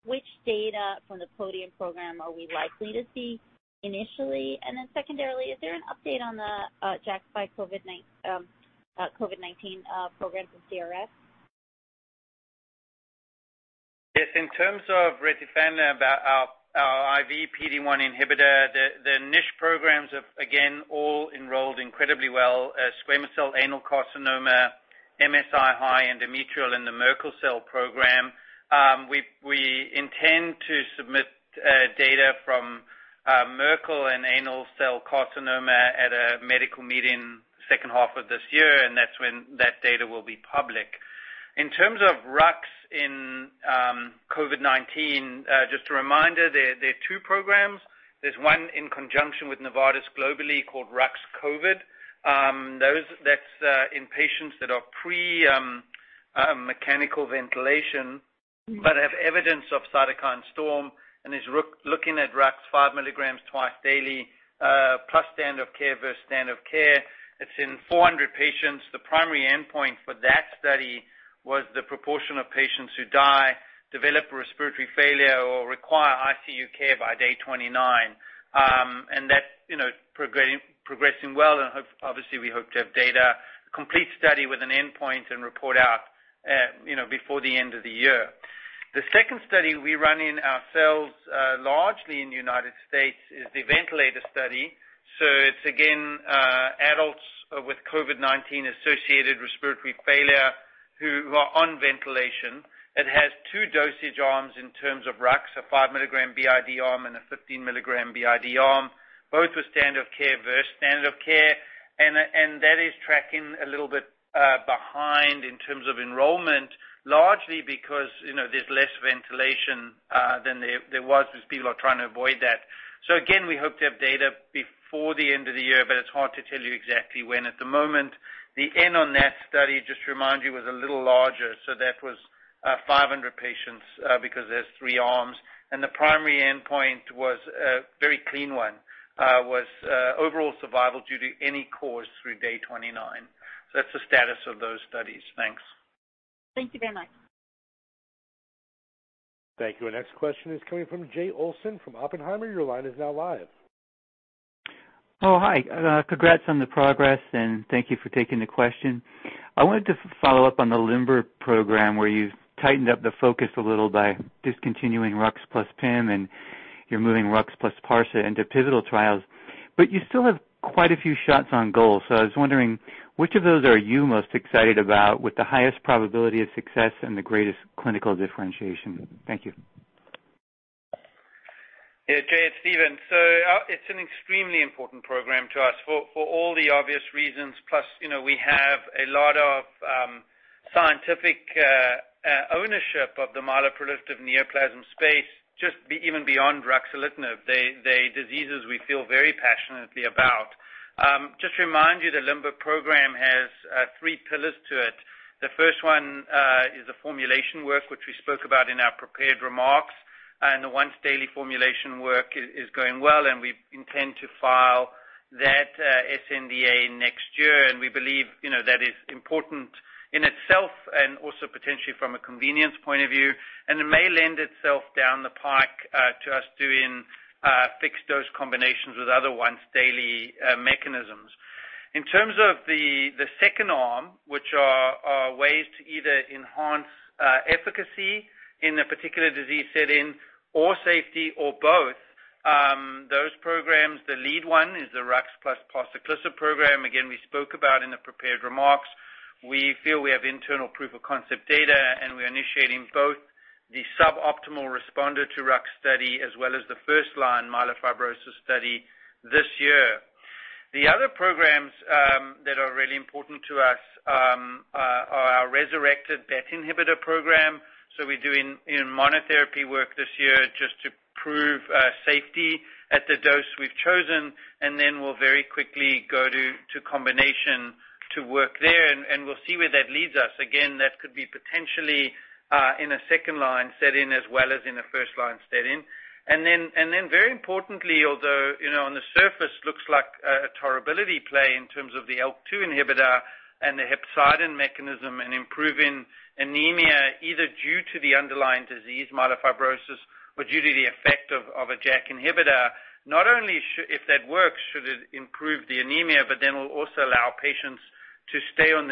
[SPEAKER 15] which data from the PODIUM program are we likely to see initially. Secondarily, is there an update on the Jakafi COVID-19 program for CRS?
[SPEAKER 5] Yes. In terms of retifanlimab, our IV PD-1 inhibitor, the niche programs have, again, all enrolled incredibly well, squamous cell anal carcinoma, MSI-H endometrial in the Merkel cell program. We intend to submit data from Merkel and anal cell carcinoma at a medical meeting second half of this year. That's when that data will be public. In terms of rux in COVID-19, just a reminder, there are two programs. There's one in conjunction with Novartis globally called ruxcovid. That's in patients that are pre mechanical ventilation have evidence of cytokine storm is looking at rux 5 mg twice daily plus standard of care versus standard of care. It's in 400 patients. The primary endpoint for that study was the proportion of patients who die, develop respiratory failure or require ICU care by day 29. That's progressing well, and obviously, we hope to have data, a complete study with an endpoint and report out before the end of the year. The second study we run in ourselves, largely in the United States, is the ventilator study. It's again, adults with COVID-19-associated respiratory failure who are on ventilation. It has two dosage arms in terms of rux, a 5 mg BID arm and a 15 mg BID arm, both with standard of care versus standard of care. That is tracking a little bit behind in terms of enrollment, largely because there's less ventilation than there was because people are trying to avoid that. Again, we hope to have data before the end of the year, but it's hard to tell you exactly when. At the moment, the N on that study, just to remind you, was a little larger, so that was 500 patients because there's three arms, and the primary endpoint was a very clean one, was overall survival due to any cause through day 29. That's the status of those studies. Thanks.
[SPEAKER 15] Thank you very much.
[SPEAKER 1] Thank you. Our next question is coming from Jay Olson from Oppenheimer. Your line is now live.
[SPEAKER 16] Oh, hi. Congrats on the progress, and thank you for taking the question. I wanted to follow up on the LIMBER program, where you've tightened up the focus a little by discontinuing rux plus PIM, and you're moving rux plus parsa into pivotal trials. You still have quite a few shots on goal. I was wondering, which of those are you most excited about with the highest probability of success and the greatest clinical differentiation? Thank you.
[SPEAKER 5] Jay, it's Steven. It's an extremely important program to us for all the obvious reasons, plus we have a lot of scientific ownership of the myeloproliferative neoplasm space, just even beyond ruxolitinib. They are diseases we feel very passionately about. Just to remind you, the LIMBER program has three pillars to it. The first one is the formulation work, which we spoke about in our prepared remarks. The once-daily formulation work is going well, and we intend to file that sNDA next year. We believe that is important in itself and also potentially from a convenience point of view. It may lend itself down the pike to us doing fixed-dose combinations with other once-daily mechanisms. In terms of the second arm, which are ways to either enhance efficacy in a particular disease setting or safety or both, those programs, the lead one is the rux plus parsaclisib program. Again, we spoke about in the prepared remarks. We feel we have internal proof-of-concept data, and we're initiating both the suboptimal responder to rux study as well as the first-line myelofibrosis study this year. The other programs that are really important to us are our resurrected BET inhibitor program. We're doing monotherapy work this year just to prove safety at the dose we've chosen, and then we'll very quickly go to combination to work there, and we'll see where that leads us. Again, that could be potentially in a second-line setting as well as in a first-line setting. Very importantly, although, on the surface looks like a tolerability play in terms of the IL-2 inhibitor and the hepcidin mechanism in improving anemia, either due to the underlying disease, myelofibrosis, or due to the effect of a JAK inhibitor. Not only if that works should it improve the anemia, but then will also allow patients to stay on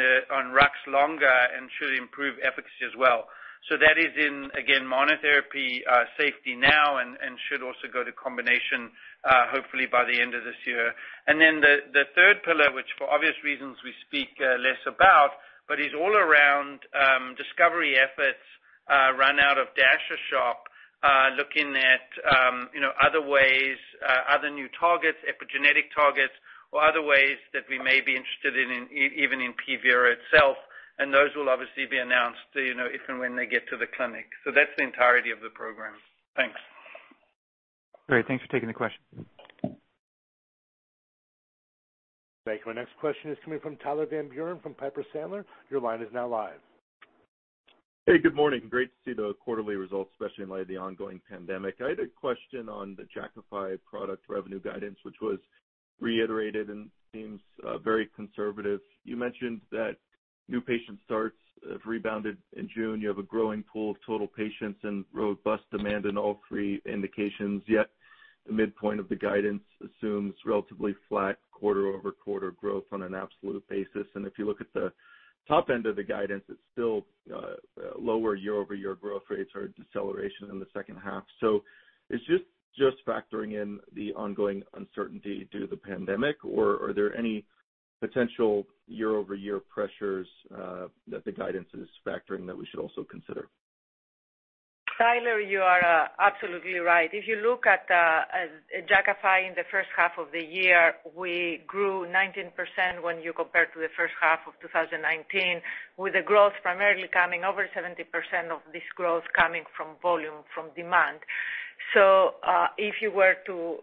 [SPEAKER 5] rux longer and should improve efficacy as well. That is in, again, monotherapy safety now and should also go to combination hopefully by the end of this year. The third pillar, which for obvious reasons we speak less about, but is all around discovery efforts run out of Dash's shop looking at other ways, other new targets, epigenetic targets, or other ways that we may be interested in, even in PVirO itself, and those will obviously be announced if and when they get to the clinic. That's the entirety of the program. Thanks.
[SPEAKER 16] Great. Thanks for taking the question.
[SPEAKER 1] Thank you. Our next question is coming from Tyler Van Buren from Piper Sandler. Your line is now live.
[SPEAKER 17] Hey, good morning. Great to see the quarterly results, especially in light of the ongoing pandemic. I had a question on the Jakafi product revenue guidance, which was reiterated and seems very conservative. You mentioned that new patient starts have rebounded in June. You have a growing pool of total patients and robust demand in all three indications, yet the midpoint of the guidance assumes relatively flat quarter-over-quarter growth on an absolute basis. If you look at the top end of the guidance, it's still lower year-over-year growth rates or a deceleration in the second half. Is this just factoring in the ongoing uncertainty due to the pandemic, or are there any potential year-over-year pressures that the guidance is factoring that we should also consider?
[SPEAKER 6] Tyler, you are absolutely right. If you look at Jakafi in the first half of the year, we grew 19% when you compare to the first half of 2019, with the growth primarily coming, over 70% of this growth coming from volume, from demand. If you were to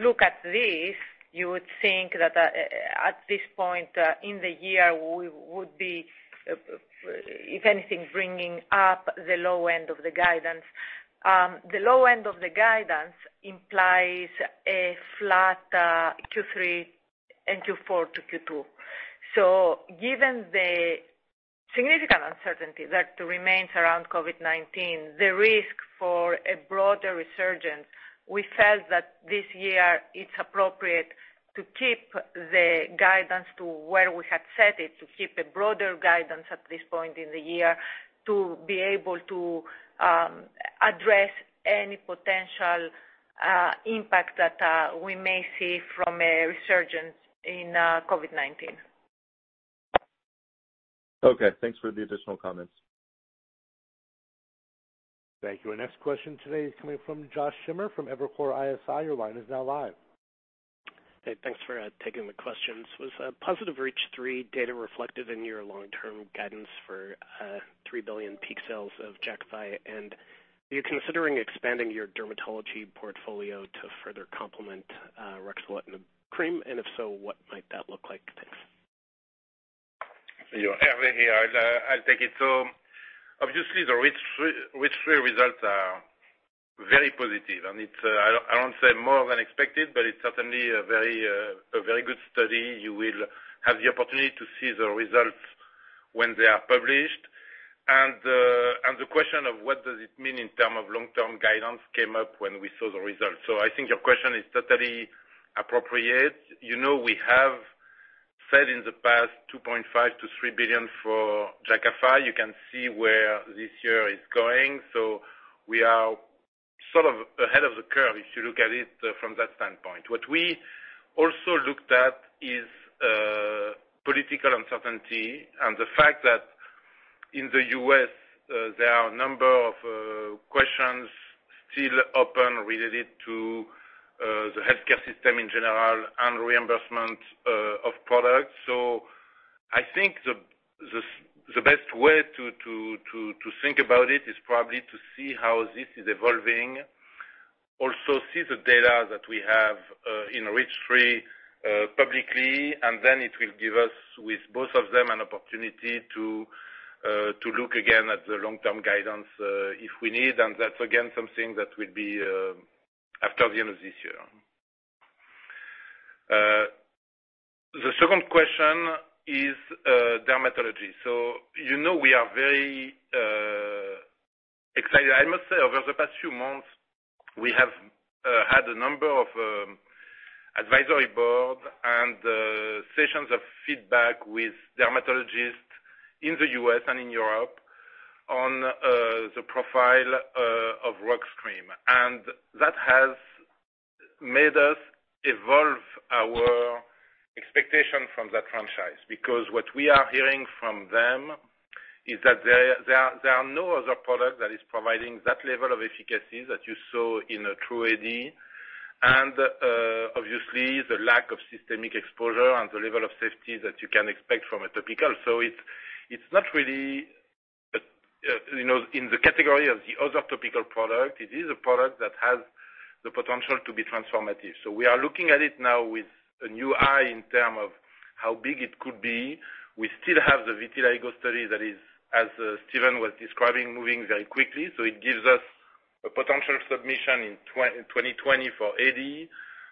[SPEAKER 6] look at this, you would think that at this point in the year, we would be, if anything, bringing up the low end of the guidance. The low end of the guidance implies a flat Q3 and Q4 to Q2. Given the significant uncertainty that remains around COVID-19, the risk for a broader resurgence, we felt that this year it's appropriate to keep the guidance to where we had set it, to keep a broader guidance at this point in the year to be able to address any potential impact that we may see from a resurgence in COVID-19.
[SPEAKER 17] Okay, thanks for the additional comments.
[SPEAKER 1] Thank you. Our next question today is coming from Josh Schimmer from Evercore ISI. Your line is now live.
[SPEAKER 18] Hey, thanks for taking the questions. Was positive REACH3 data reflected in your long-term guidance for $3 billion peak sales of Jakafi, and are you considering expanding your dermatology portfolio to further complement ruxolitinib cream? If so, what might that look like? Thanks.
[SPEAKER 3] Hervé here. I'll take it. Obviously, the REACH3 results are very positive, and I won't say more than expected, but it's certainly a very good study. You will have the opportunity to see the results when they are published. The question of what does it mean in terms of long-term guidance came up when we saw the results. I think your question is totally appropriate. We have said in the past $2.5 billion to $3 billion for Jakafi. You can see where this year is going. We are sort of ahead of the curve if you look at it from that standpoint. What we also looked at is political uncertainty and the fact that in the U.S., there are a number of questions still open related to the healthcare system in general and reimbursement of products. I think the best way to think about it is probably to see how this is evolving. See the data that we have in REACH3 publicly, then it will give us, with both of them, an opportunity to look again at the long-term guidance, if we need. That's, again, something that will be after the end of this year. The second question is dermatology. We are very excited. I must say, over the past few months, we have had a number of advisory board and sessions of feedback with dermatologists in the U.S. and in Europe on the profile of rux cream. That has made us evolve our expectation from that franchise, because what we are hearing from them is that there are no other product that is providing that level of efficacy that you saw in TRuE-AD. Obviously, the lack of systemic exposure and the level of safety that you can expect from a topical. It's not really in the category of the other topical products. It is a product that has the potential to be transformative. We are looking at it now with a new eye in term of how big it could be. We still have the vitiligo study that is, as Steven was describing, moving very quickly. It gives us a potential submission in 2020 for AD,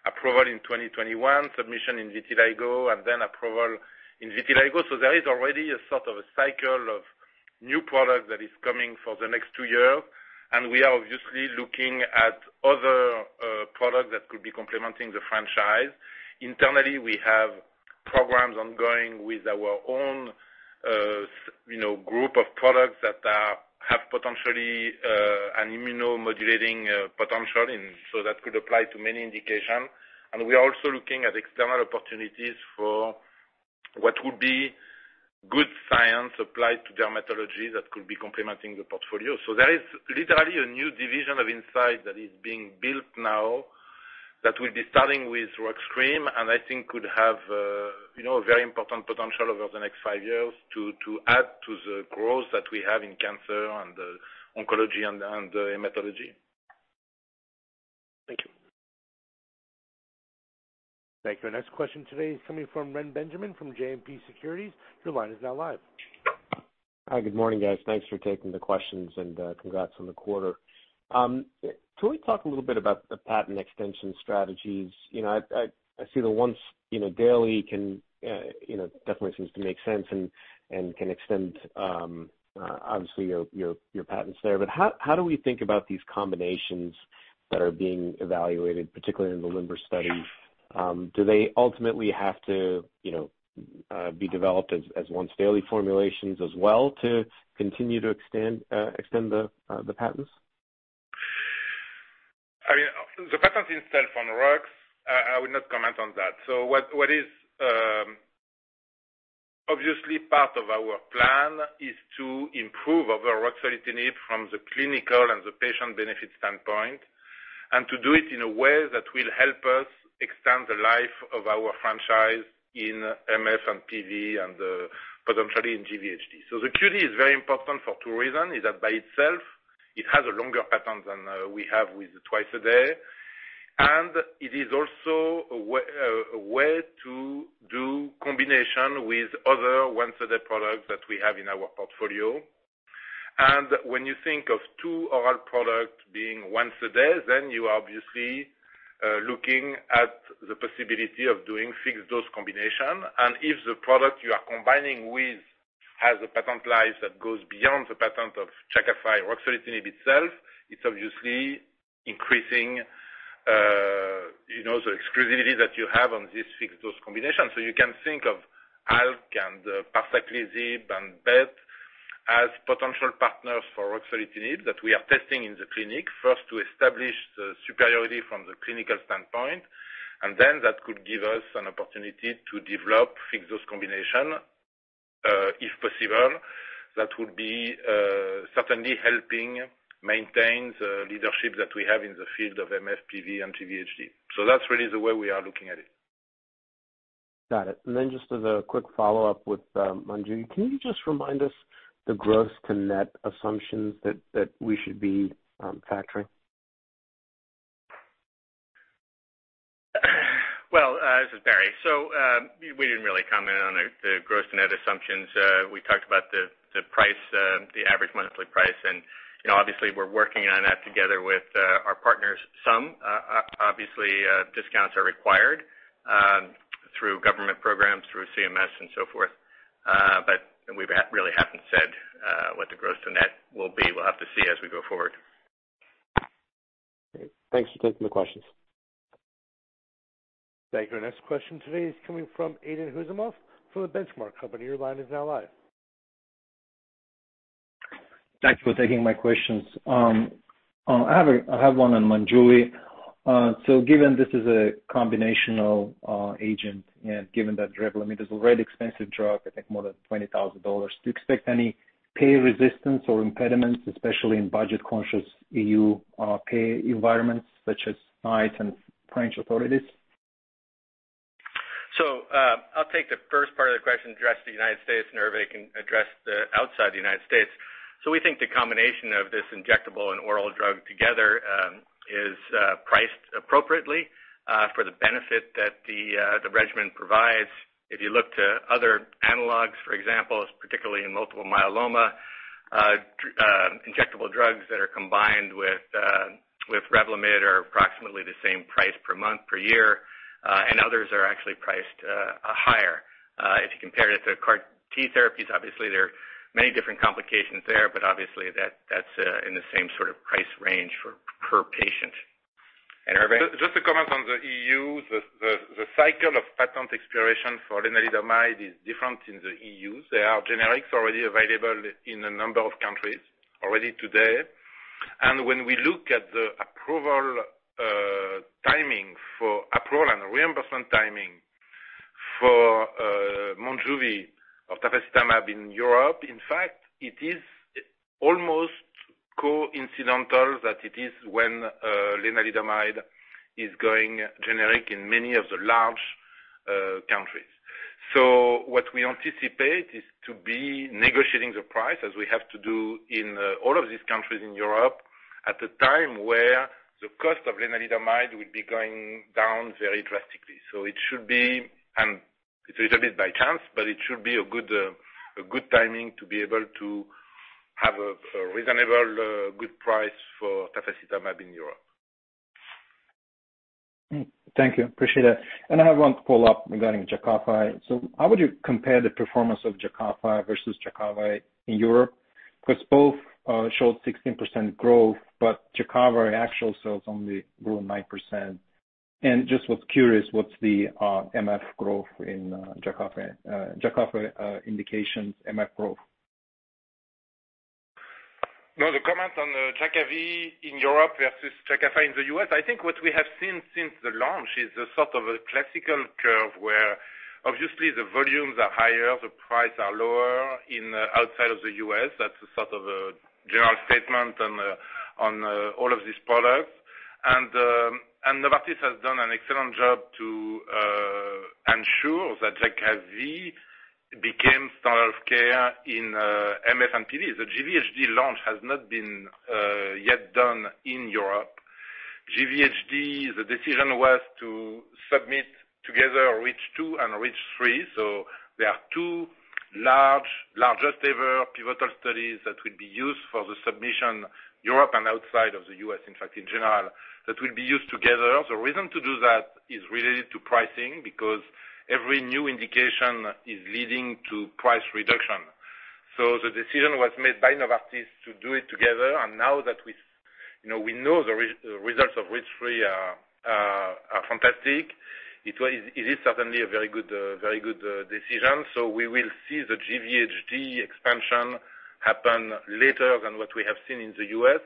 [SPEAKER 3] approval in 2021, submission in vitiligo, and then approval in vitiligo. There is already a sort of a cycle of new product that is coming for the next two year. We are obviously looking at other product that could be complementing the franchise. Internally, we have programs ongoing with our own group of products that have potentially an immunomodulating potential, that could apply to many indication. We are also looking at external opportunities for what would be good science applied to dermatology that could be complementing the portfolio. There is literally a new division of Incyte that is being built now that will be starting with rux cream, and I think could have a very important potential over the next five years to add to the growth that we have in cancer and oncology and hematology.
[SPEAKER 18] Thank you.
[SPEAKER 1] Thank you. Our next question today is coming from Reni Benjamin from JMP Securities. Your line is now live.
[SPEAKER 19] Hi, good morning, guys. Thanks for taking the questions and congrats on the quarter. Can we talk a little bit about the patent extension strategies? I see the once daily definitely seems to make sense and can extend, obviously, your patents there. How do we think about these combinations that are being evaluated, particularly in the LIMBER study? Do they ultimately have to be developed as once daily formulations as well to continue to extend the patents?
[SPEAKER 3] The patents itself on rux, I would not comment on that. What is obviously part of our plan is to improve our ruxolitinib from the clinical and the patient benefit standpoint, and to do it in a way that will help us extend the life of our franchise in MF and PV and potentially in GVHD. The QD is very important for two reason, is that by itself, it has a longer patent than we have with twice a day. It is also a way to do combination with other once a day products that we have in our portfolio. When you think of two oral product being once a day, you are obviously looking at the possibility of doing fixed dose combination. If the product you are combining with has a patent life that goes beyond the patent of Jakafi ruxolitinib itself, it's obviously increasing the exclusivity that you have on this fixed dose combination. You can think of ALK2 and parsaclisib and BET as potential partners for ruxolitinib that we are testing in the clinic, first to establish the superiority from the clinical standpoint, then that could give us an opportunity to develop fixed dose combination. If possible, that would be certainly helping maintain the leadership that we have in the field of MF, PV, and GVHD. That's really the way we are looking at it.
[SPEAKER 19] Got it. Then just as a quick follow-up with Monjuvi, can you just remind us the gross to net assumptions that we should be factoring?
[SPEAKER 4] Well, this is Barry. We didn't really comment on the gross to net assumptions. We talked about the average monthly price and obviously we're working on that together with our partners. Some obviously discounts are required through government programs, through CMS and so forth. We really haven't said what the gross to net will be. We'll have to see as we go forward.
[SPEAKER 19] Great. Thanks for taking the questions.
[SPEAKER 1] Thank you. Our next question today is coming from Aydin Huseynov from The Benchmark Company. Your line is now live.
[SPEAKER 20] Thanks for taking my questions. I have one on Monjuvi. Given this is a combination agent and given that Revlimid is already expensive drug, I think more than $20,000, do you expect any pay resistance or impediments, especially in budget conscious EU pay environments such as NICE and French authorities?
[SPEAKER 4] I'll take the first part of the question, address the U.S., and Hervé can address the outside the U.S. We think the combination of this injectable and oral drug together is priced appropriately for the benefit that the regimen provides. If you look to other analogs, for example, particularly in multiple myeloma, injectable drugs that are combined with REVLIMID are approximately the same price per month, per year. Others are actually priced higher. If you compare it to CAR T therapies, obviously there are many different complications there, but obviously that's in the same sort of price range per patient. Hervé?
[SPEAKER 3] Just to comment on the EU, the cycle of patent expiration for lenalidomide is different in the EU. There are generics already available in a number of countries already today. When we look at the approval timing for Monjuvi of tafasitamab in Europe, in fact, it is almost coincidental that it is when lenalidomide is going generic in many of the large countries. What we anticipate is to be negotiating the price as we have to do in all of these countries in Europe, at the time where the cost of lenalidomide will be going down very drastically. It should be, and it's a little bit by chance, but it should be a good timing to be able to have a reasonably good price for tafasitamab in Europe.
[SPEAKER 20] Thank you. Appreciate it. I have one follow-up regarding Jakafi. How would you compare the performance of Jakafi versus Jakavi in Europe? Because both showed 16% growth, but Jakafi actual sales only grew 9%. Just was curious, what's the MF growth in Jakafi indications, MF growth?
[SPEAKER 3] No, the comment on the Jakavi in Europe versus Jakafi in the U.S., I think what we have seen since the launch is a sort of a classical curve where obviously the volumes are higher, the price are lower in outside of the U.S. That's a sort of a general statement on all of these products. Novartis has done an excellent job to ensure that Jakavi became standard of care in MF and PV. The GVHD launch has not been yet done in Europe. GVHD, the decision was to submit together REACH2 and REACH3. There are two largest ever pivotal studies that will be used for the submission, Europe and outside of the U.S., in fact, in general, that will be used together. The reason to do that is related to pricing, because every new indication is leading to price reduction. The decision was made by Novartis to do it together. Now that we know the results of REACH3 are fantastic, it is certainly a very good decision. We will see the GVHD expansion happen later than what we have seen in the U.S.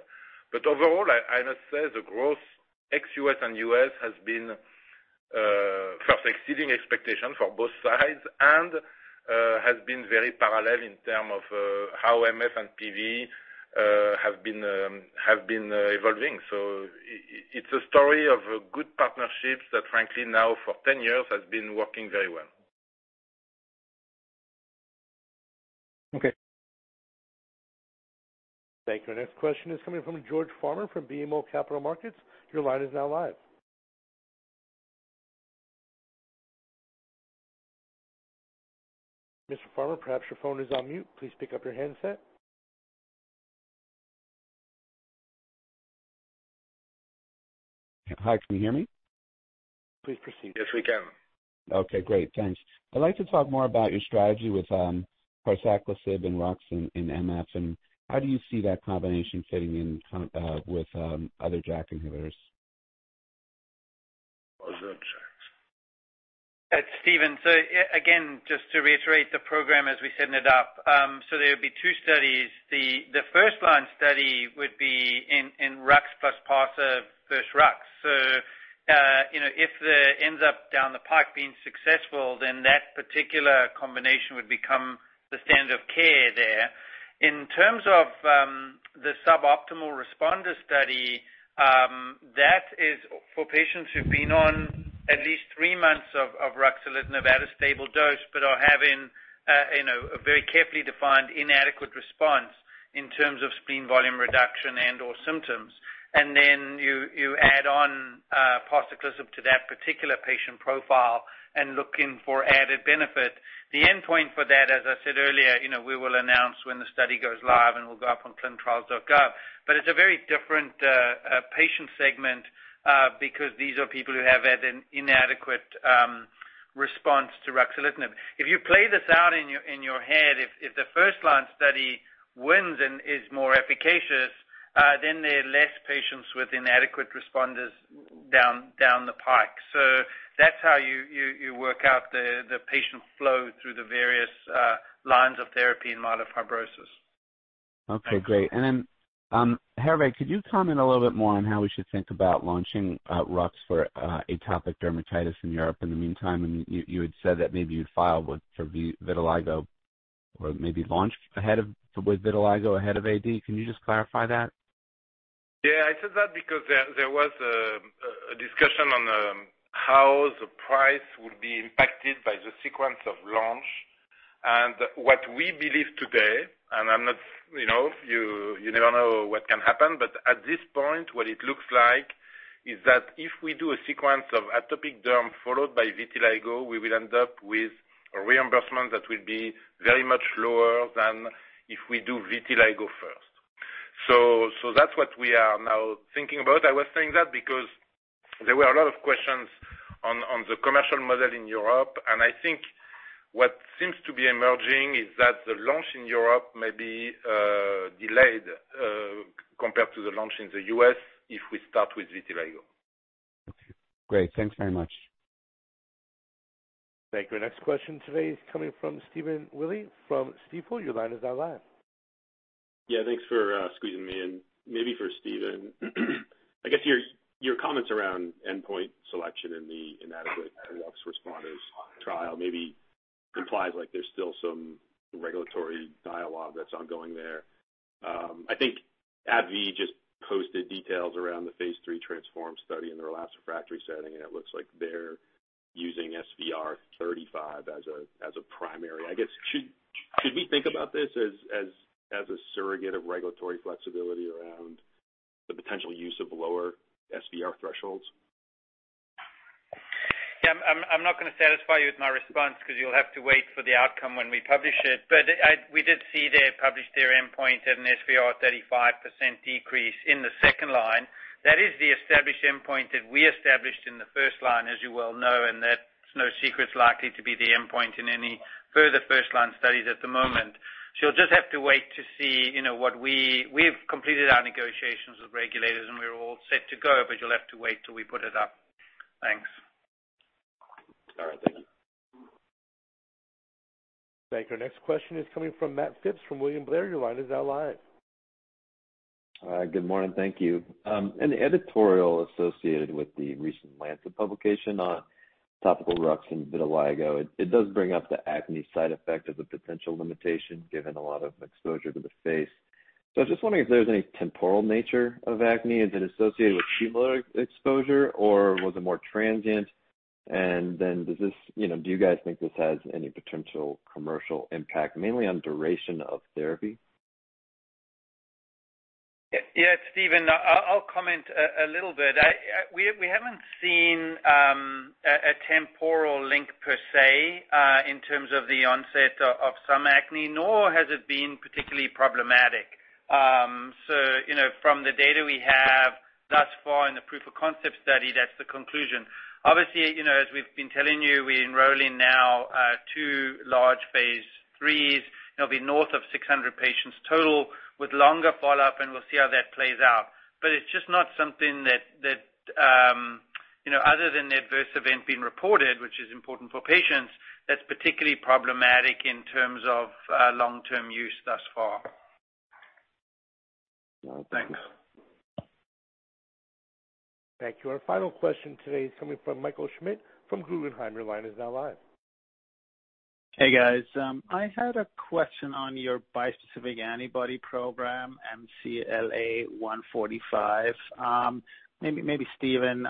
[SPEAKER 3] Overall, I must say the growth ex-U.S. and U.S. has been first exceeding expectations for both sides and has been very parallel in terms of how MF and PV have been evolving. It's a story of good partnerships that frankly now for 10 years has been working very well.
[SPEAKER 20] Okay.
[SPEAKER 1] Thank you. Our next question is coming from George Farmer from BMO Capital Markets. Your line is now live. Mr. Farmer, perhaps your phone is on mute. Please pick up your handset.
[SPEAKER 21] Hi, can you hear me?
[SPEAKER 1] Please proceed.
[SPEAKER 3] Yes, we can.
[SPEAKER 21] Okay, great. Thanks. I'd like to talk more about your strategy with parsaclisib and rux in MF, and how do you see that combination fitting in with other JAK inhibitors?
[SPEAKER 5] It's Steven. Again, just to reiterate the program as we set it up. There'll be two studies. The first line study would be in rux plus parsa versus rux. If that ends up down the pipe being successful, then that particular combination would become the standard of care there. In terms of the suboptimal responder study, that is for patients who've been on at least three months of ruxolitinib at a stable dose, but are having a very carefully defined inadequate response in terms of spleen volume reduction and/or symptoms. Then you add on parsaclisib to that particular patient profile and looking for added benefit. The endpoint for that, as I said earlier, we will announce when the study goes live and will go up on clinicaltrials.gov. It's a very different patient segment because these are people who have had an inadequate response to ruxolitinib. If you play this out in your head, if the first line study wins and is more efficacious, then there are less patients with inadequate responders down the pipe. That's how you work out the patient flow through the various lines of therapy in myelofibrosis.
[SPEAKER 21] Okay, great. Hervé, could you comment a little bit more on how we should think about launching rux for atopic dermatitis in Europe in the meantime? You had said that maybe you'd file for vitiligo or maybe launch with vitiligo ahead of AD. Can you just clarify that?
[SPEAKER 3] Yeah, I said that because there was a discussion on how the price will be impacted by the sequence of launch. What we believe today, and you never know what can happen, but at this point, what it looks like is that if we do a sequence of atopic derm followed by vitiligo, we will end up with a reimbursement that will be very much lower than if we do vitiligo first. That's what we are now thinking about. I was saying that because there were a lot of questions on the commercial model in Europe, and I think what seems to be emerging is that the launch in Europe may be delayed compared to the launch in the U.S. if we start with vitiligo.
[SPEAKER 21] Okay, great. Thanks very much.
[SPEAKER 1] Thank you. Our next question today is coming from Stephen Willey from Stifel. Your line is now live.
[SPEAKER 22] Yeah, thanks for squeezing me in. Maybe for Steven. I guess your comments around endpoint selection in the inadequate rux responders trial maybe implies there's still some regulatory dialogue that's ongoing there. I think AbbVie just posted details around the phase III TRANSFORM study in their last refractory setting, it looks like they're using SVR35 as a primary. I guess, should we think about this as a surrogate of regulatory flexibility around the potential use of lower SVR thresholds?
[SPEAKER 5] Yeah, I'm not going to satisfy you with my response because you'll have to wait for the outcome when we publish it. We did see they published their endpoint at an SVR 35% decrease in the second line. That is the established endpoint that we established in the first line, as you well know, and that's no secret, likely to be the endpoint in any further first-line studies at the moment. You'll just have to wait to see. We've completed our negotiations with regulators and we're all set to go, but you'll have to wait till we put it up. Thanks.
[SPEAKER 22] All right, thank you.
[SPEAKER 1] Thank you. Our next question is coming from Matt Phipps from William Blair. Your line is now live.
[SPEAKER 23] Good morning. Thank you. An editorial associated with the recent The Lancet publication on topical rux and vitiligo. It does bring up the acne side effect as a potential limitation given a lot of exposure to the face. I was just wondering if there was any temporal nature of acne. Is it associated with cumulative exposure or was it more transient? Do you guys think this has any potential commercial impact, mainly on duration of therapy?
[SPEAKER 5] Yeah, Steven, I'll comment a little bit. We haven't seen a temporal link per se in terms of the onset of some acne, nor has it been particularly problematic. From the data we have thus far in the proof of concept study, that's the conclusion. Obviously, as we've been telling you, we're enrolling now two large phase IIIs. It'll be north of 600 patients total with longer follow-up, and we'll see how that plays out. It's just not something that, other than the adverse event being reported, which is important for patients, that's particularly problematic in terms of long-term use thus far.
[SPEAKER 23] Thanks.
[SPEAKER 1] Thank you. Our final question today is coming from Michael Schmidt from Guggenheim. Your line is now live.
[SPEAKER 24] Hey, guys. I had a question on your bispecific antibody program, MCLA-145. Maybe Steven,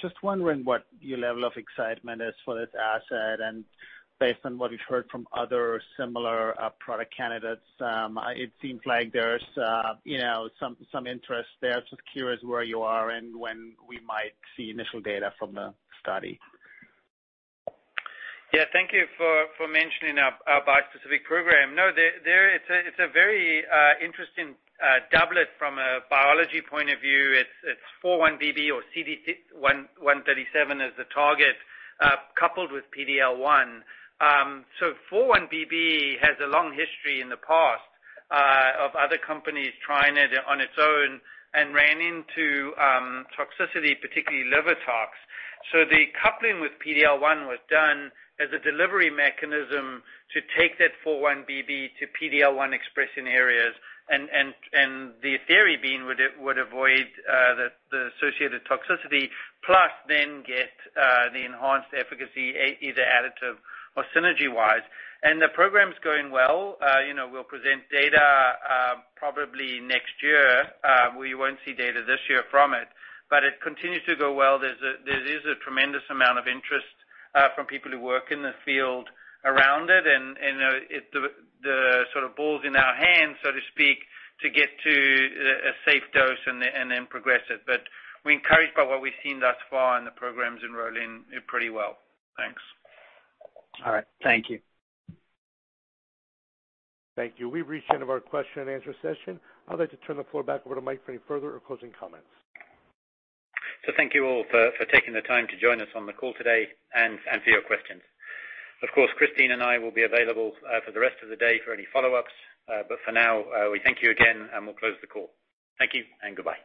[SPEAKER 24] just wondering what your level of excitement is for this asset. Based on what we've heard from other similar product candidates, it seems like there's some interest there. Just curious where you are and when we might see initial data from the study.
[SPEAKER 5] Yeah. Thank you for mentioning our bispecific program. It's a very interesting doublet from a biology point of view. It's 4-1BB or CD137 as the target, coupled with PD-L1. 4-1BB has a long history in the past of other companies trying it on its own and ran into toxicity, particularly liver tox. The coupling with PD-L1 was done as a delivery mechanism to take that 4-1BB to PD-L1 expression areas, and the theory being would avoid the associated toxicity plus then get the enhanced efficacy, either additive or synergy wise. The program's going well. We'll present data probably next year. We won't see data this year from it, but it continues to go well. There is a tremendous amount of interest from people who work in the field around it, and the ball's in our hands, so to speak, to get to a safe dose and then progress it. We're encouraged by what we've seen thus far, and the program's enrolling pretty well. Thanks.
[SPEAKER 24] All right. Thank you.
[SPEAKER 1] Thank you. We've reached the end of our question and answer session. I'd like to turn the floor back over to Mike for any further or closing comments.
[SPEAKER 2] Thank you all for taking the time to join us on the call today and for your questions. Of course, Christiana and I will be available for the rest of the day for any follow-ups. For now, we thank you again, and we'll close the call. Thank you and goodbye.